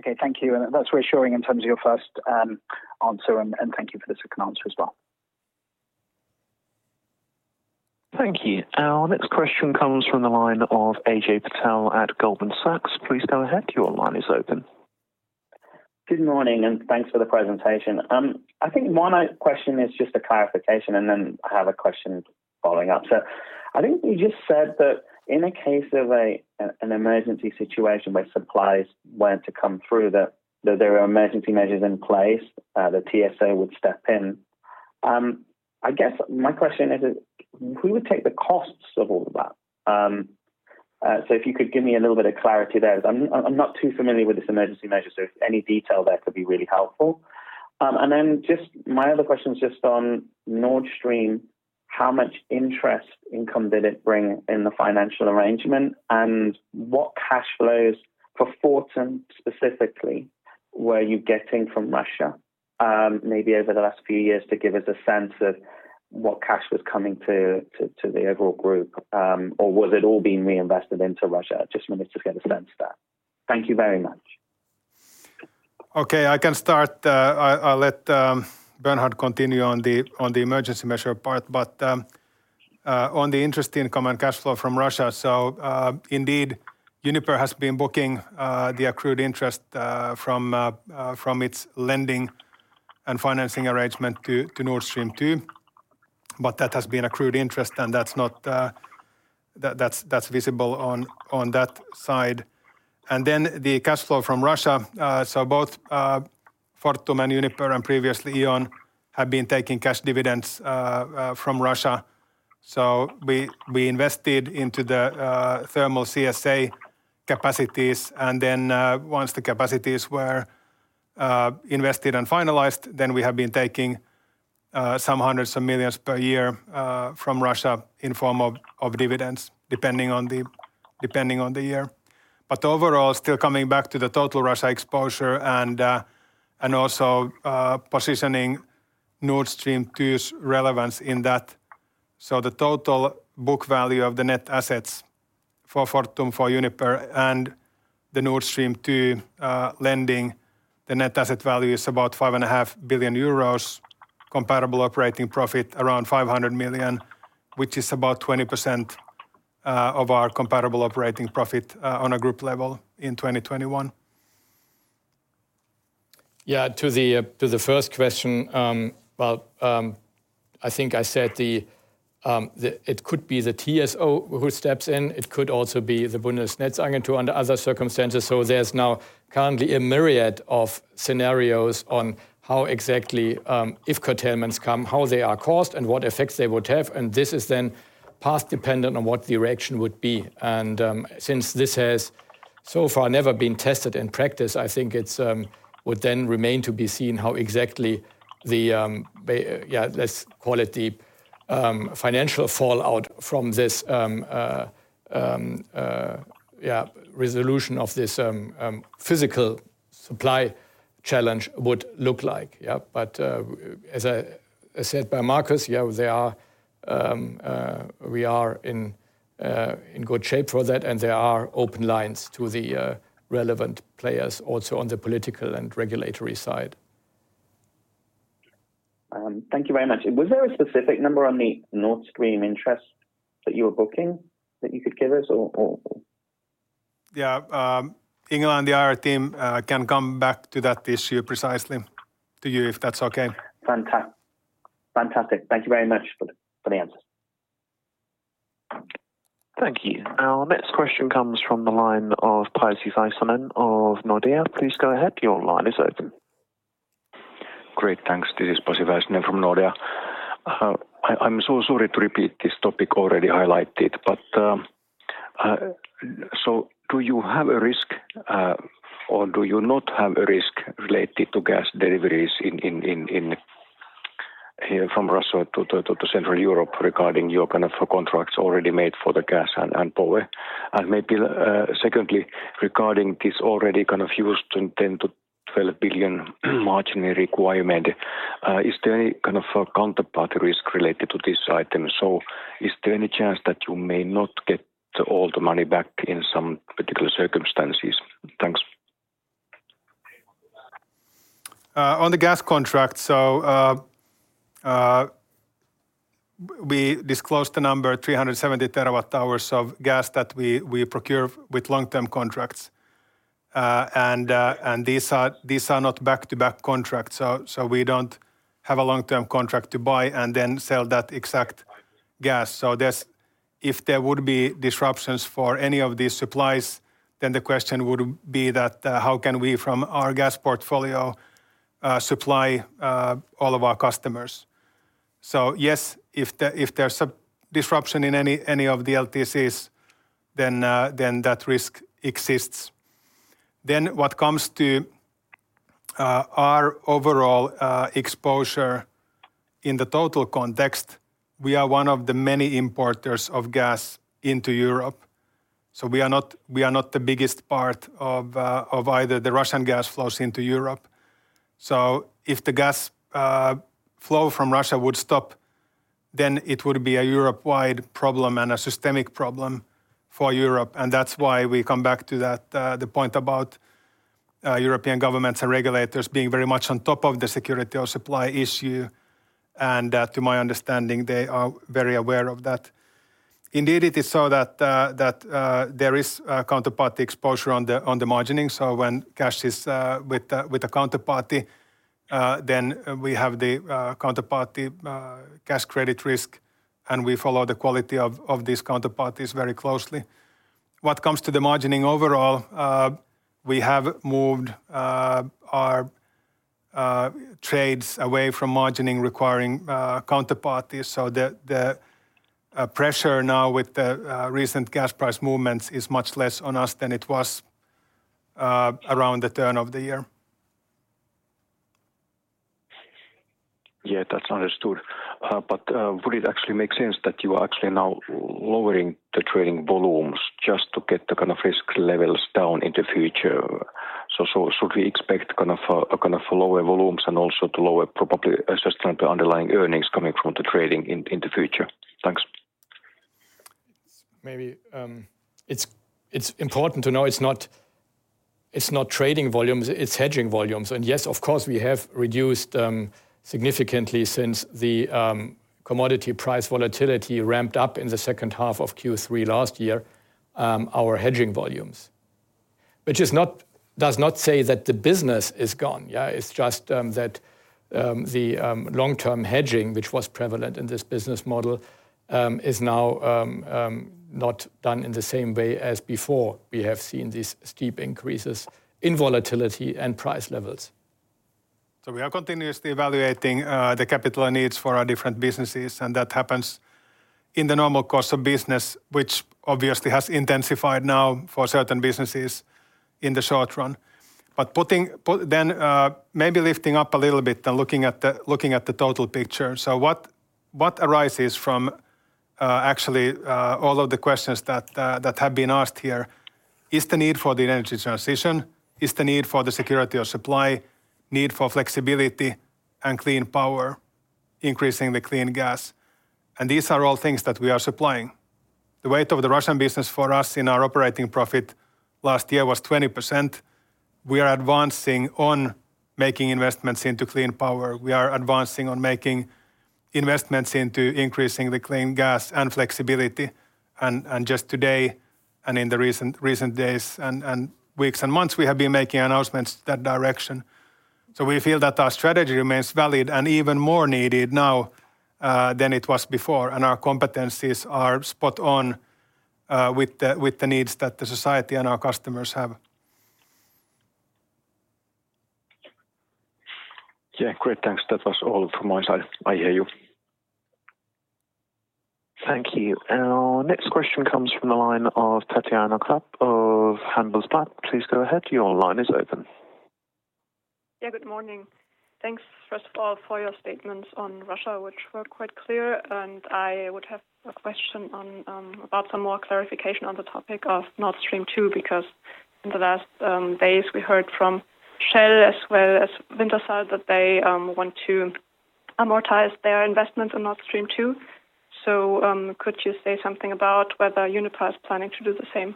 Okay. Thank you. That's reassuring in terms of your first answer, and thank you for the second answer as well. Thank you. Our next question comes from the line of Ajay Patel at Goldman Sachs. Please go ahead. Your line is open. Good morning, and thanks for the presentation. I think one question is just a clarification, and then I have a question following up. I think you just said that in a case of an emergency situation where supplies were to come through the that there are emergency measures in place, the TSO would step in. I guess my question is, who would take the costs of all of that? If you could give me a little bit of clarity there. I'm not too familiar with this emergency measure, so any detail there could be really helpful. My other question is just on Nord Stream, how much interest income did it bring in the financial arrangement? What cash flows for Fortum, specifically, were you getting from Russia, maybe over the last few years to give us a sense of what cash was coming to the overall group? Or was it all being reinvested into Russia? Just wanted to get a sense of that. Thank you very much. Okay. I can start. I'll let Bernhard continue on the emergency measure part. On the interest income and cash flow from Russia. Indeed, Uniper has been booking the accrued interest from its lending and financing arrangement to Nord Stream 2. That has been accrued interest, and that's not visible on that side. The cash flow from Russia. Both Fortum and Uniper and previously E.ON have been taking cash dividends from Russia. We invested into the thermal CSA capacities, and then once the capacities were invested and finalized, we have been taking some hundreds of millions EUR per year from Russia in form of dividends, depending on the year. Overall, still coming back to the total Russia exposure and also positioning Nord Stream 2's relevance in that. The total book value of the net assets for Fortum, for Uniper and the Nord Stream 2 lending, the net asset value is about 5.5 billion euros, comparable operating profit around 500 million, which is about 20% of our comparable operating profit on a group level in 2021. Yeah. To the first question, well, I think I said it could be the TSO who steps in. It could also be the Bundesnetzagentur under other circumstances. There's now currently a myriad of scenarios on how exactly if curtailments come, how they are caused and what effects they would have. This is then path dependent on what the reaction would be. Since this has so far never been tested in practice, I think it would then remain to be seen how exactly the, yeah, let's call it the financial fallout from this resolution of this physical supply challenge would look like. Yeah. As said by Markus, yeah, we are in good shape for that. There are open lines to the relevant players also on the political and regulatory side. Thank you very much. Was there a specific number on the Nord Stream interest that you were booking that you could give us or? Ingela and the IR team can come back to that issue privately to you, if that's okay. Fantastic. Thank you very much for the answers. Thank you. Our next question comes from the line of Pasi Väisänen of Nordea. Please go ahead. Your line is open. Great. Thanks. This is Pasi Väisänen from Nordea. I'm so sorry to repeat this topic already highlighted, but do you have a risk, or do you not have a risk related to gas deliveries in from Russia to Central Europe regarding your kind of contracts already made for the gas and power? Maybe, secondly, regarding this already kind of huge 10 billion-12 billion margin requirement, is there any kind of a counterparty risk related to this item? Is there any chance that you may not get all the money back in some particular circumstances? Thanks. On the gas contract. We disclosed the number 370 terawatt hours of gas that we procure with long-term contracts. These are not back-to-back contracts. We don't have a long-term contract to buy and then sell that exact gas. If there would be disruptions for any of these supplies, then the question would be that how can we, from our gas portfolio, supply all of our customers? Yes, if there's a disruption in any of the LTCs, then that risk exists. What comes to our overall exposure in the total context, we are one of the many importers of gas into Europe. We are not the biggest part of either the Russian gas flows into Europe. If the gas flow from Russia would stop, then it would be a Europe-wide problem and a systemic problem for Europe. That's why we come back to that, the point about European governments and regulators being very much on top of the security of supply issue. To my understanding, they are very aware of that. Indeed, it is so that there is a counterparty exposure on the margining. When cash is with a counterparty, then we have the counterparty cash credit risk, and we follow the quality of these counterparties very closely. What comes to the margining overall, we have moved our trades away from margining requiring counterparties. The pressure now with the recent gas price movements is much less on us than it was around the turn of the year. Yeah, that's understood. Would it actually make sense that you are actually now lowering the trading volumes just to get the kind of risk levels down in the future? Should we expect kind of kind of lower volumes and also to lower probably just kind of underlying earnings coming from the trading in the future? Thanks. Maybe it's important to know it's not trading volumes, it's hedging volumes. Yes, of course, we have reduced significantly since the commodity price volatility ramped up in the second half of Q3 last year, our hedging volumes, which does not say that the business is gone. It's just that the long-term hedging, which was prevalent in this business model, is now not done in the same way as before. We have seen these steep increases in volatility and price levels. We are continuously evaluating the capital needs for our different businesses, and that happens in the normal course of business, which obviously has intensified now for certain businesses in the short run. Then maybe lifting up a little bit and looking at the total picture. What arises from actually all of the questions that have been asked here is the need for the energy transition, is the need for the security of supply, need for flexibility and clean power, increasing the clean gas. These are all things that we are supplying. The weight of the Russian business for us in our operating profit last year was 20%. We are advancing on making investments into clean power. We are advancing on making investments into increasing the clean gas and flexibility. Just today, in the recent days and weeks and months, we have been making announcements in that direction. We feel that our strategy remains valid and even more needed now than it was before. Our competencies are spot on with the needs that the society and our customers have. Yeah, great. Thanks. That was all from my side. I hear you. Thank you. Our next question comes from the line of Please go ahead. Your line is open. Good morning. Thanks, first of all, for your statements on Russia, which were quite clear. I would have a question on about some more clarification on the topic of Nord Stream 2, because in the last days, we heard from Shell as well as Wintershall Dea that they want to amortize their investment on Nord Stream 2. Could you say something about whether Uniper is planning to do the same?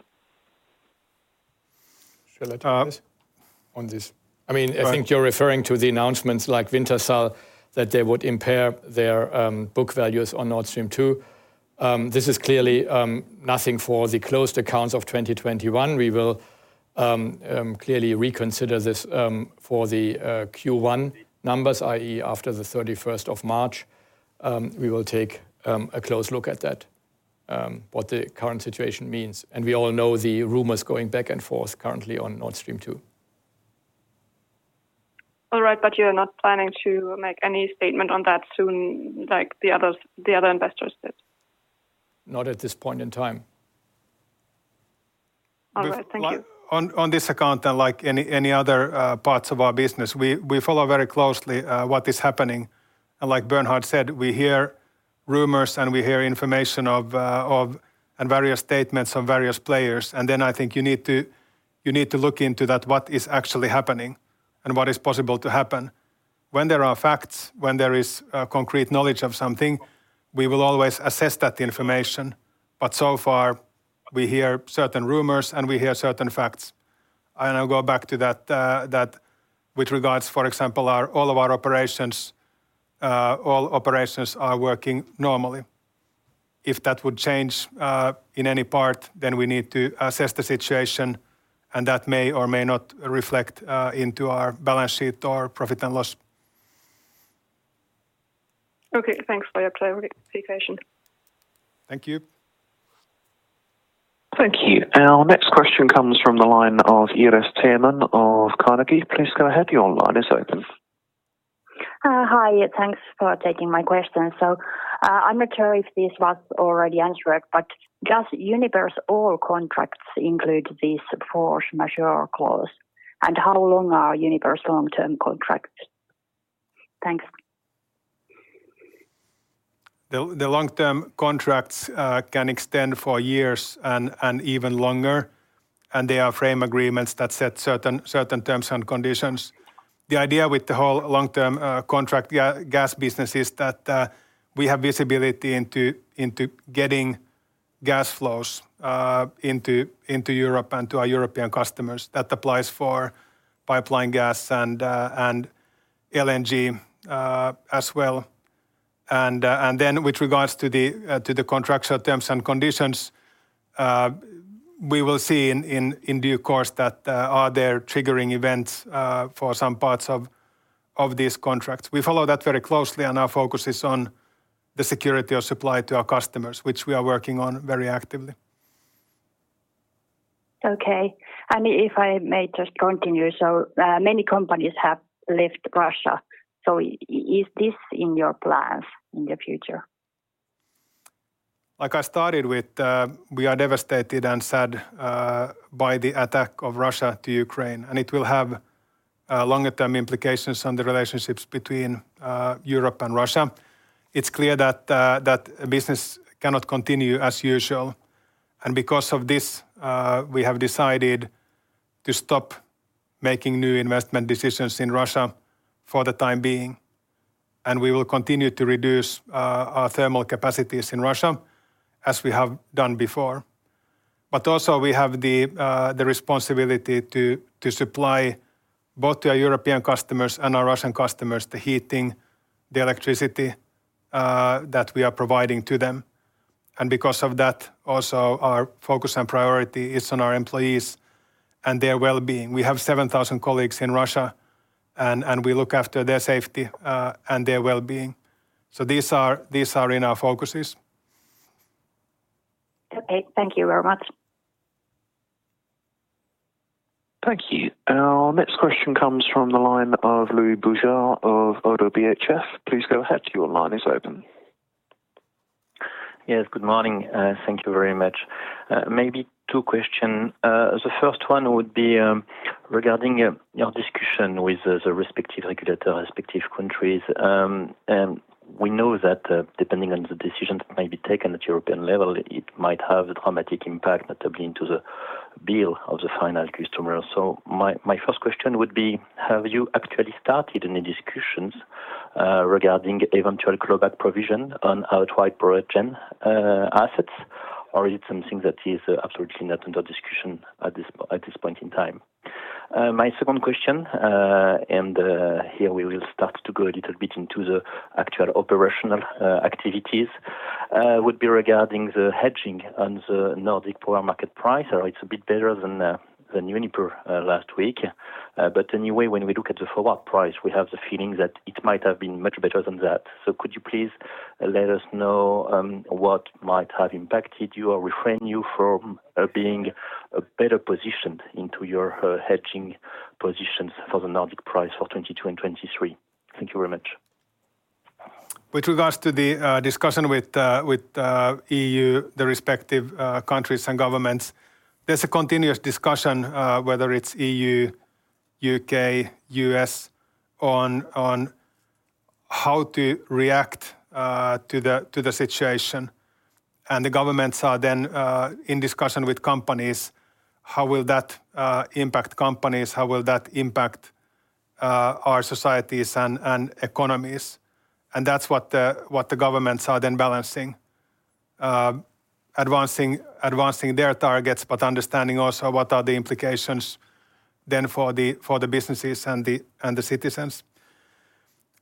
Shall I take this? Uh- on this? I mean. Go ahead... I think you're referring to the announcements like Wintershall Dea, that they would impair their book values on Nord Stream 2. This is clearly nothing for the closed accounts of 2021. We will clearly reconsider this for the Q1 numbers, i.e., after the thirty-first of March. We will take a close look at that, what the current situation means. We all know the rumors going back and forth currently on Nord Stream 2. All right, but you're not planning to make any statement on that soon like the others, the other investors did? Not at this point in time. All right. Thank you. On this account and like any other parts of our business, we follow very closely what is happening. Like Bernhard said, we hear rumors and we hear information and various statements of various players. Then I think you need to look into that, what is actually happening and what is possible to happen. When there are facts, when there is concrete knowledge of something, we will always assess that information. So far, we hear certain rumors and we hear certain facts. I'll go back to that with regards, for example, all of our operations, all operations are working normally. If that would change in any part, then we need to assess the situation, and that may or may not reflect into our balance sheet or profit and loss. Okay. Thanks for your clarity, clarification. Thank you. Thank you. Our next question comes from the line of Iiris Theman of Carnegie. Please go ahead. Your line is open. Hi. Thanks for taking my question. I'm not sure if this was already answered, but does Uniper's oil contracts include this force majeure clause? And how long are Uniper's long-term contracts? Thanks. The long-term contracts can extend for years and even longer, and they are frame agreements that set certain terms and conditions. The idea with the whole long-term contract gas business is that we have visibility into getting gas flows into Europe and to our European customers. That applies for pipeline gas and LNG as well. With regards to the contractual terms and conditions, we will see in due course that are there triggering events for some parts of these contracts. We follow that very closely, and our focus is on the security of supply to our customers, which we are working on very actively. Okay. If I may just continue. Many companies have left Russia, so is this in your plans in the future? Like I started with, we are devastated and sad by the attack of Russia on Ukraine, and it will have longer-term implications on the relationships between Europe and Russia. It's clear that that business cannot continue as usual. Because of this, we have decided to stop making new investment decisions in Russia for the time being. We will continue to reduce our thermal capacities in Russia as we have done before. Also, we have the responsibility to supply both to our European customers and our Russian customers the heating, the electricity that we are providing to them. Because of that, also our focus and priority is on our employees and their well-being. We have 7,000 colleagues in Russia and we look after their safety and their well-being. These are in our focuses. Okay. Thank you very much. Thank you. Our next question comes from the line of Louis Boujard of Oddo BHF. Please go ahead. Your line is open. Yes. Good morning. Thank you very much. Maybe two questions. The first one would be regarding your discussion with the respective regulator, respective countries. We know that depending on the decisions that may be taken at European level, it might have a dramatic impact, notably on the bill of the final customer. My first question would be, have you actually started any discussions regarding eventual global provision on outright Uniper assets? Or is it something that is absolutely not under discussion at this point in time? My second question, here we will start to go a little bit into the actual operational activities, would be regarding the hedging on the Nordic power market price. It's a bit better than Uniper last week. When we look at the forward price, we have the feeling that it might have been much better than that. Could you please let us know what might have impacted you or restrained you from being in a better position in your hedging positions for the Nordic price for 2022 and 2023? Thank you very much. With regards to the discussion with EU, the respective countries and governments, there's a continuous discussion whether it's EU, U.K., U.S. on how to react to the situation. The governments are then in discussion with companies, how will that impact companies? How will that impact our societies and economies? That's what the governments are then balancing. Advancing their targets, but understanding also what are the implications then for the businesses and the citizens.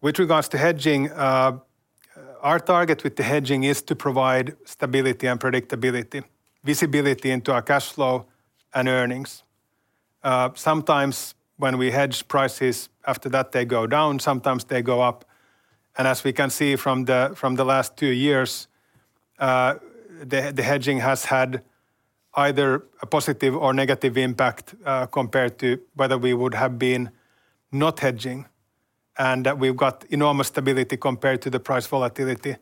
With regards to hedging, our target with the hedging is to provide stability and predictability, visibility into our cash flow and earnings. Sometimes when we hedge prices after that they go down, sometimes they go up. As we can see from the last two years, the hedging has had either a positive or negative impact compared to whether we would have been not hedging. We've got enormous stability compared to the price volatility.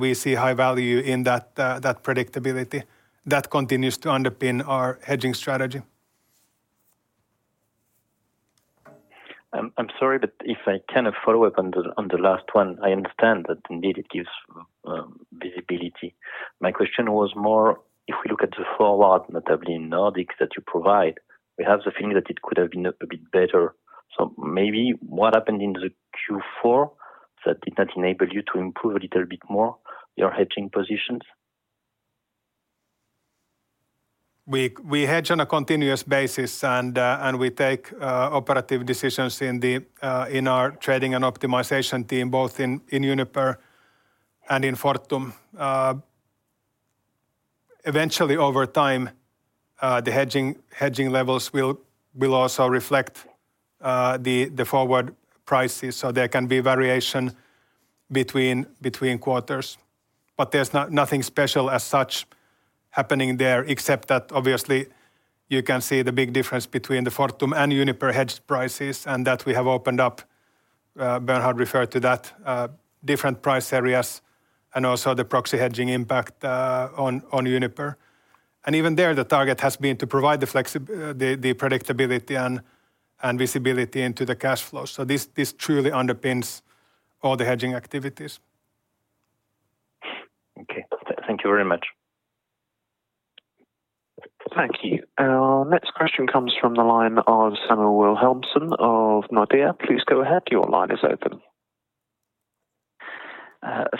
We see high value in that predictability. That continues to underpin our hedging strategy. I'm sorry, but if I can follow up on the last one, I understand that indeed it gives visibility. My question was more if we look at the forward, notably in Nordics that you provide, we have the feeling that it could have been a bit better. Maybe what happened in Q4 that did not enable you to improve a little bit more your hedging positions? We hedge on a continuous basis and we take operative decisions in our trading and optimization team, both in Uniper and in Fortum. Eventually over time, the hedging levels will also reflect the forward prices, so there can be variation between quarters. But there's nothing special as such happening there, except that obviously you can see the big difference between the Fortum and Uniper hedge prices and that we have opened up, Bernhard referred to that, different price areas and also the proxy hedging impact on Uniper. Even there the target has been to provide the predictability and visibility into the cash flows. This truly underpins all the hedging activities. Okay. Thank you very much. Thank you. Our next question comes from the line of Samuel Wilhelmsson of Nordea. Please go ahead. Your line is open.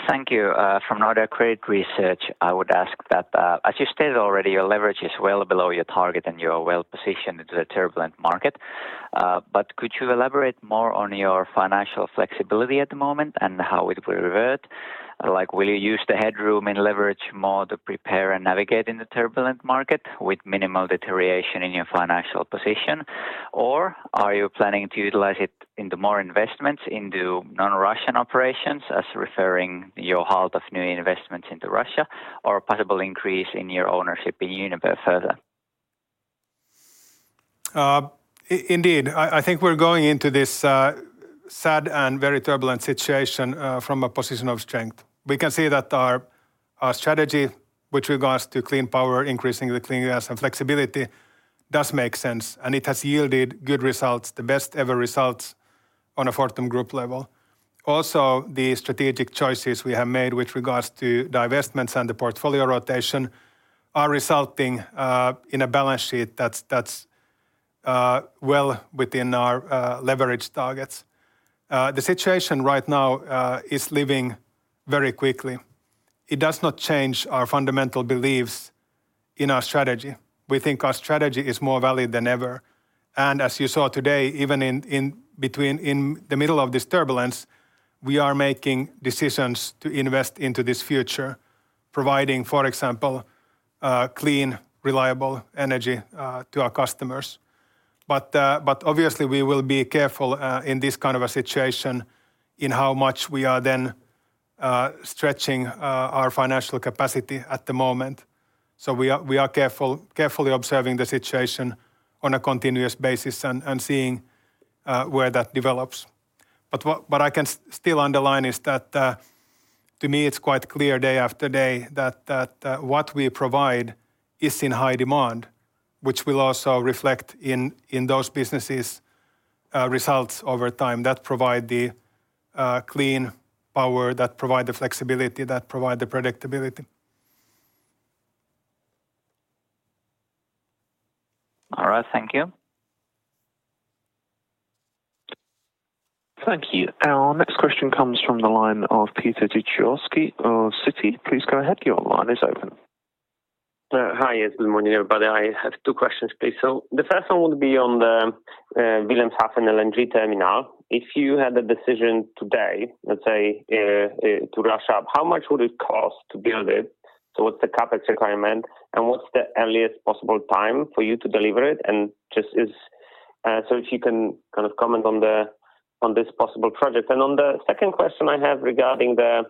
Thank you. From Nordea Credit Research, I would ask that, as you stated already, your leverage is well below your target, and you are well positioned into the turbulent market. Could you elaborate more on your financial flexibility at the moment and how it will revert? Like, will you use the headroom and leverage more to prepare and navigate in the turbulent market with minimal deterioration in your financial position? Are you planning to utilize it into more investments into non-Russian operations as referring your halt of new investments into Russia or possible increase in your ownership in Uniper further? Indeed, I think we're going into this sad and very turbulent situation from a position of strength. We can see that our strategy with regards to clean power, increasing the clean gas and flexibility does make sense, and it has yielded good results, the best ever results on a Fortum group level. Also, the strategic choices we have made with regards to divestments and the portfolio rotation are resulting in a balance sheet that's well within our leverage targets. The situation right now is evolving very quickly. It does not change our fundamental beliefs in our strategy. We think our strategy is more valid than ever. As you saw today, even in between... In the middle of this turbulence, we are making decisions to invest into this future, providing, for example, clean, reliable energy to our customers. Obviously, we will be careful in this kind of a situation in how much we are then stretching our financial capacity at the moment. We are carefully observing the situation on a continuous basis and seeing where that develops. What I can still underline is that to me, it's quite clear day after day that what we provide is in high demand, which will also reflect in those businesses' results over time that provide the clean power, that provide the flexibility, that provide the predictability. All right. Thank you. Thank you. Our next question comes from the line of Piotr Dzieciolowski of Citi. Please go ahead. Your line is open. Hi. Yes, good morning, everybody. I have two questions, please. The first one would be on the Wilhelmshaven LNG terminal. If you had the decision today, let's say, to rush up, how much would it cost to build it? What's the CapEx requirement, and what's the earliest possible time for you to deliver it? If you can kind of comment on this possible project. On the second question I have regarding the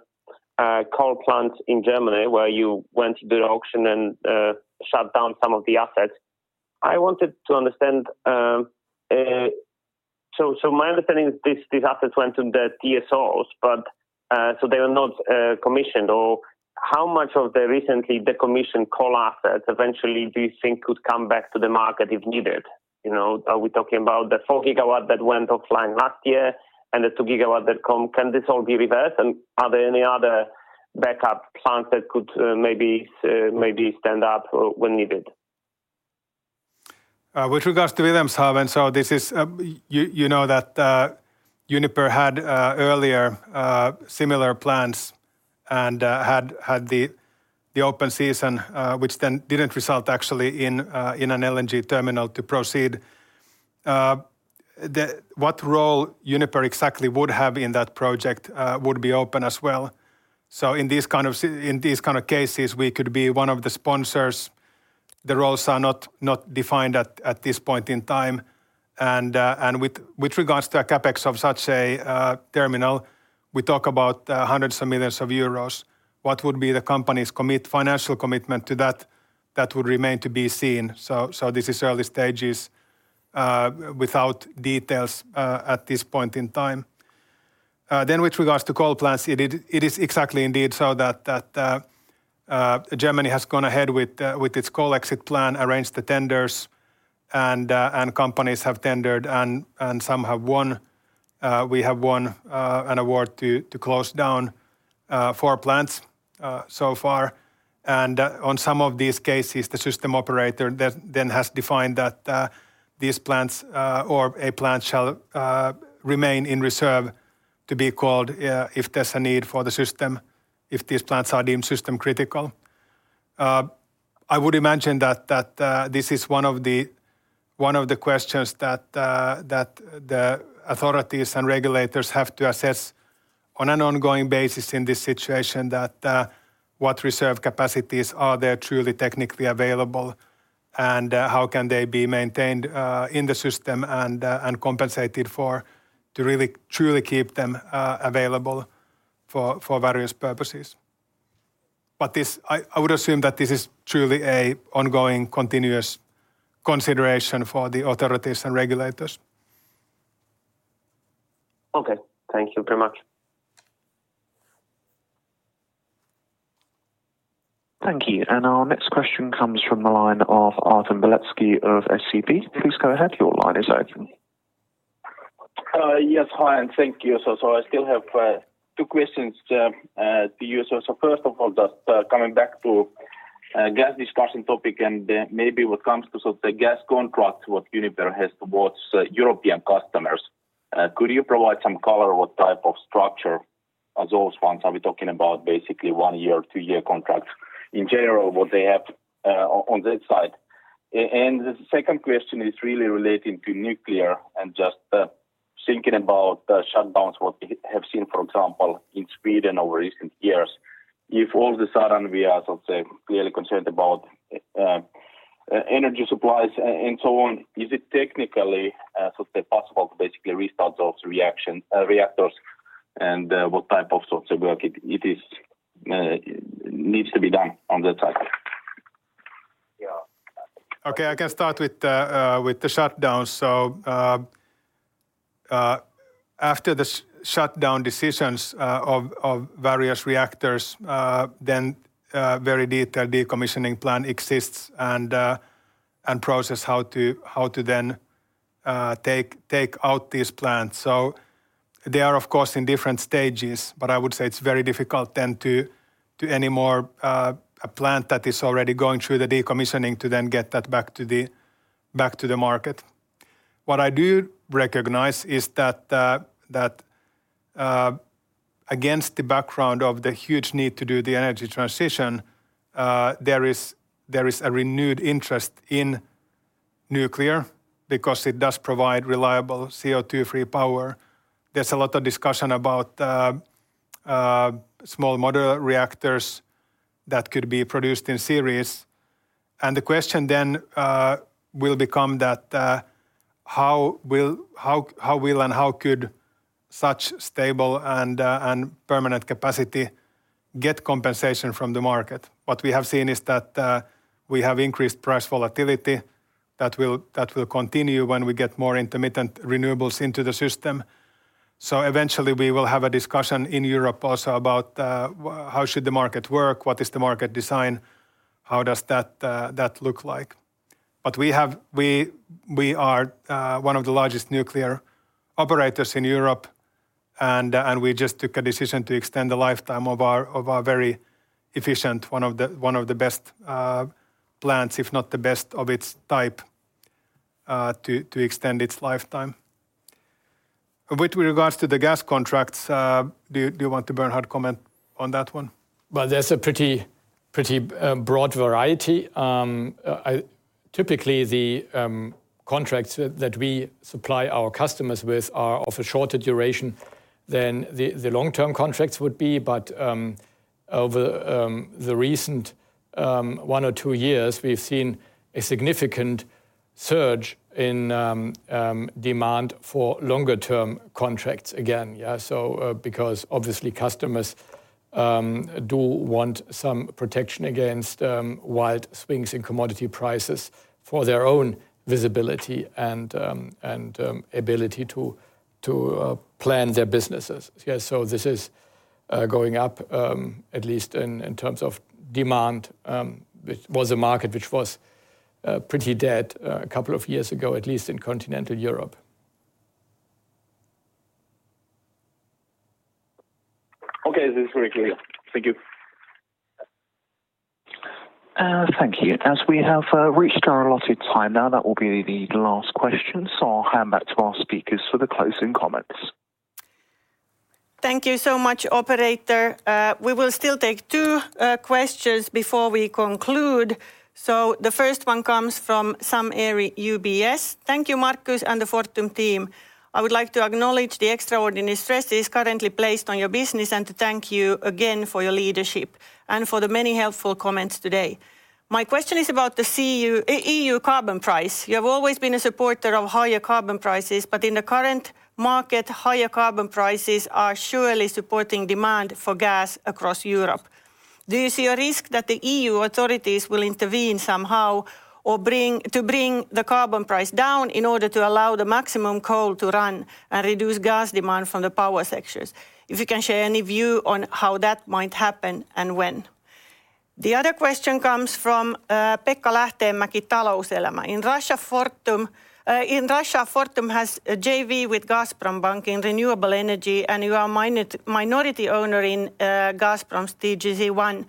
coal plant in Germany where you went to the auction and shut down some of the assets. I wanted to understand. My understanding is these assets went to the TSOs, but so they were not commissioned. How much of the recently decommissioned coal assets eventually do you think could come back to the market if needed? You know, are we talking about the 4 GW that went offline last year and the 2 GW that come? Can this all be reversed, and are there any other backup plants that could maybe stand up when needed? With regards to Wilhelmshaven, you know that Uniper had earlier similar plans and had the open season, which then didn't result actually in an LNG terminal to proceed. What role Uniper exactly would have in that project would be open as well. In these kind of cases, we could be one of the sponsors. The roles are not defined at this point in time. With regards to a CapEx of such a terminal, we talk about hundreds of millions EUR. What would be the company's financial commitment to that? That would remain to be seen. This is early stages without details at this point in time. With regards to coal plants, it is exactly indeed so that Germany has gone ahead with its coal exit plan, arranged the tenders and companies have tendered and some have won. We have won an award to close down four plants so far. On some of these cases, the system operator then has defined that these plants or a plant shall remain in reserve to be called if there's a need for the system, if these plants are deemed system critical. I would imagine that this is one of the questions that the authorities and regulators have to assess on an ongoing basis in this situation that what reserve capacities are there truly technically available and how can they be maintained in the system and compensated for to really truly keep them available for various purposes. This I would assume that this is truly an ongoing continuous consideration for the authorities and regulators. Okay. Thank you very much. Thank you. Our next question comes from the line of Artem Beletski of SEB. Please go ahead. Your line is open. Yes. Hi, and thank you. I still have two questions to you. First of all, just coming back to gas discussion topic and then maybe what comes to sort of the gas contract what Uniper has towards European customers. Could you provide some color what type of structure are those ones? Are we talking about basically one-year or two-year contracts? In general, what they have on that side. And the second question is really relating to nuclear and just thinking about the shutdowns what we have seen, for example, in Sweden over recent years. If all of a sudden we are sort of clearly concerned about energy supplies and so on, is it technically sort of possible to basically restart those reactors, and what type of sorts of work it is needs to be done on that side? Okay. I can start with the shutdowns. After the shutdown decisions of various reactors, then very detailed decommissioning plan exists and process how to then take out these plants. They are, of course, in different stages, but I would say it's very difficult then to anymore a plant that is already going through the decommissioning to then get that back to the market. What I do recognize is that that against the background of the huge need to do the energy transition, there is a renewed interest in nuclear because it does provide reliable CO2 free power. There's a lot of discussion about small modular reactors that could be produced in series. The question then will become that, how will and how could such stable and permanent capacity get compensation from the market? What we have seen is that we have increased price volatility that will continue when we get more intermittent renewables into the system. Eventually we will have a discussion in Europe also about how should the market work, what is the market design, how does that look like. We are one of the largest nuclear operators in Europe and we just took a decision to extend the lifetime of our very efficient, one of the best plants, if not the best of its type, to extend its lifetime. With regards to the gas contracts, do you want to Bernhard comment on that one? Well, there's a pretty broad variety. Typically, the contracts that we supply our customers with are of a shorter duration than the long-term contracts would be. Over the recent one or two years, we've seen a significant surge in demand for longer term contracts again, yeah. Because obviously customers do want some protection against wide swings in commodity prices for their own visibility and ability to plan their businesses. Yeah, this is going up at least in terms of demand, which was a market which was pretty dead a couple of years ago, at least in continental Europe. Okay. This is very clear. Thank you. Thank you. As we have reached our allotted time now, that will be the last question. I'll hand back to our speakers for the closing comments. Thank you so much, operator. We will still take two questions before we conclude. The first one comes from Sam Arie, UBS. Thank you, Markus and the Fortum team. I would like to acknowledge the extraordinary stress that is currently placed on your business and to thank you again for your leadership and for the many helpful comments today. My question is about the EU carbon price. You have always been a supporter of higher carbon prices, but in the current market, higher carbon prices are surely supporting demand for gas across Europe. Do you see a risk that the EU authorities will intervene somehow or bring the carbon price down in order to allow the maximum coal to run and reduce gas demand from the power sectors? If you can share any view on how that might happen and when. The other question comes from Pekka Lähteenmäki, Talouselämä. In Russia, Fortum has a JV with Gazprombank in renewable energy, and you are minority owner in Gazprom's TGC-1.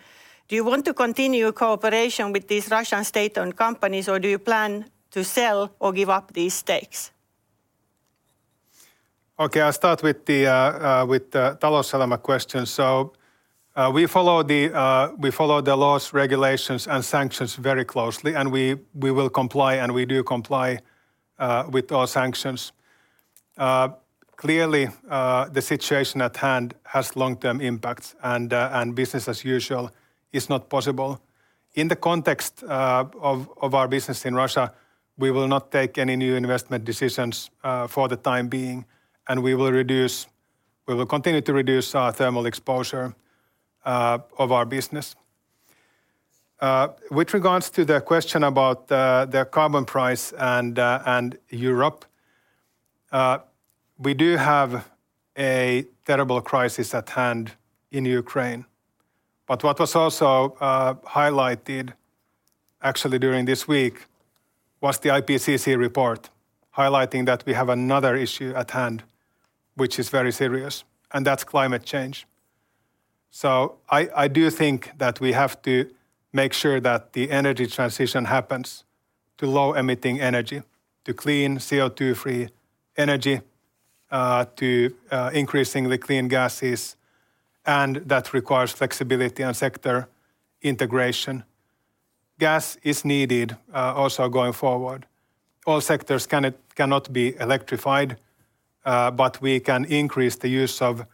Do you want to continue cooperation with these Russian state-owned companies, or do you plan to sell or give up these stakes? Okay, I'll start with the Talouselämä question. We follow the laws, regulations, and sanctions very closely, and we will comply and we do comply with all sanctions. Clearly, the situation at hand has long-term impacts, and business as usual is not possible. In the context of our business in Russia, we will not take any new investment decisions for the time being, and we will continue to reduce our thermal exposure of our business. With regards to the question about the carbon price and Europe, we do have a terrible crisis at hand in Ukraine. What was also highlighted actually during this week was the IPCC report highlighting that we have another issue at hand which is very serious, and that's climate change. I do think that we have to make sure that the energy transition happens to low-emitting energy, to clean CO2-free energy, to increasingly clean gases, and that requires flexibility and sector integration. Gas is needed also going forward. All sectors cannot be electrified, but we can increase the use of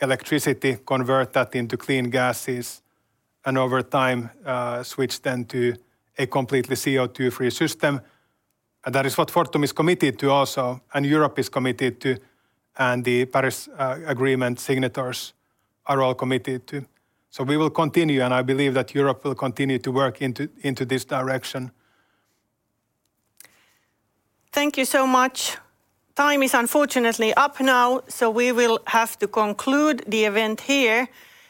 electricity, convert that into clean gases, and over time, switch then to a completely CO2-free system. That is what Fortum is committed to also, and Europe is committed to, and the Paris Agreement signatories are all committed to. We will continue, and I believe that Europe will continue to work into this direction. Thank you so much. Time is unfortunately up now, so we will have to conclude the event here.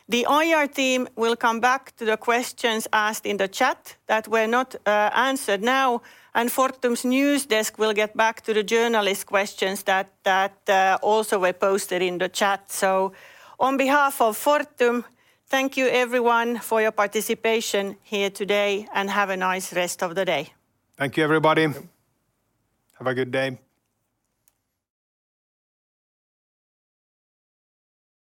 The IR team will come back to the questions asked in the chat that were not answered now, and Fortum's news desk will get back to the journalist questions that also were posted in the chat. On behalf of Fortum, thank you everyone for your participation here today, and have a nice rest of the day. Thank you, everybody. Thank you. Have a good day.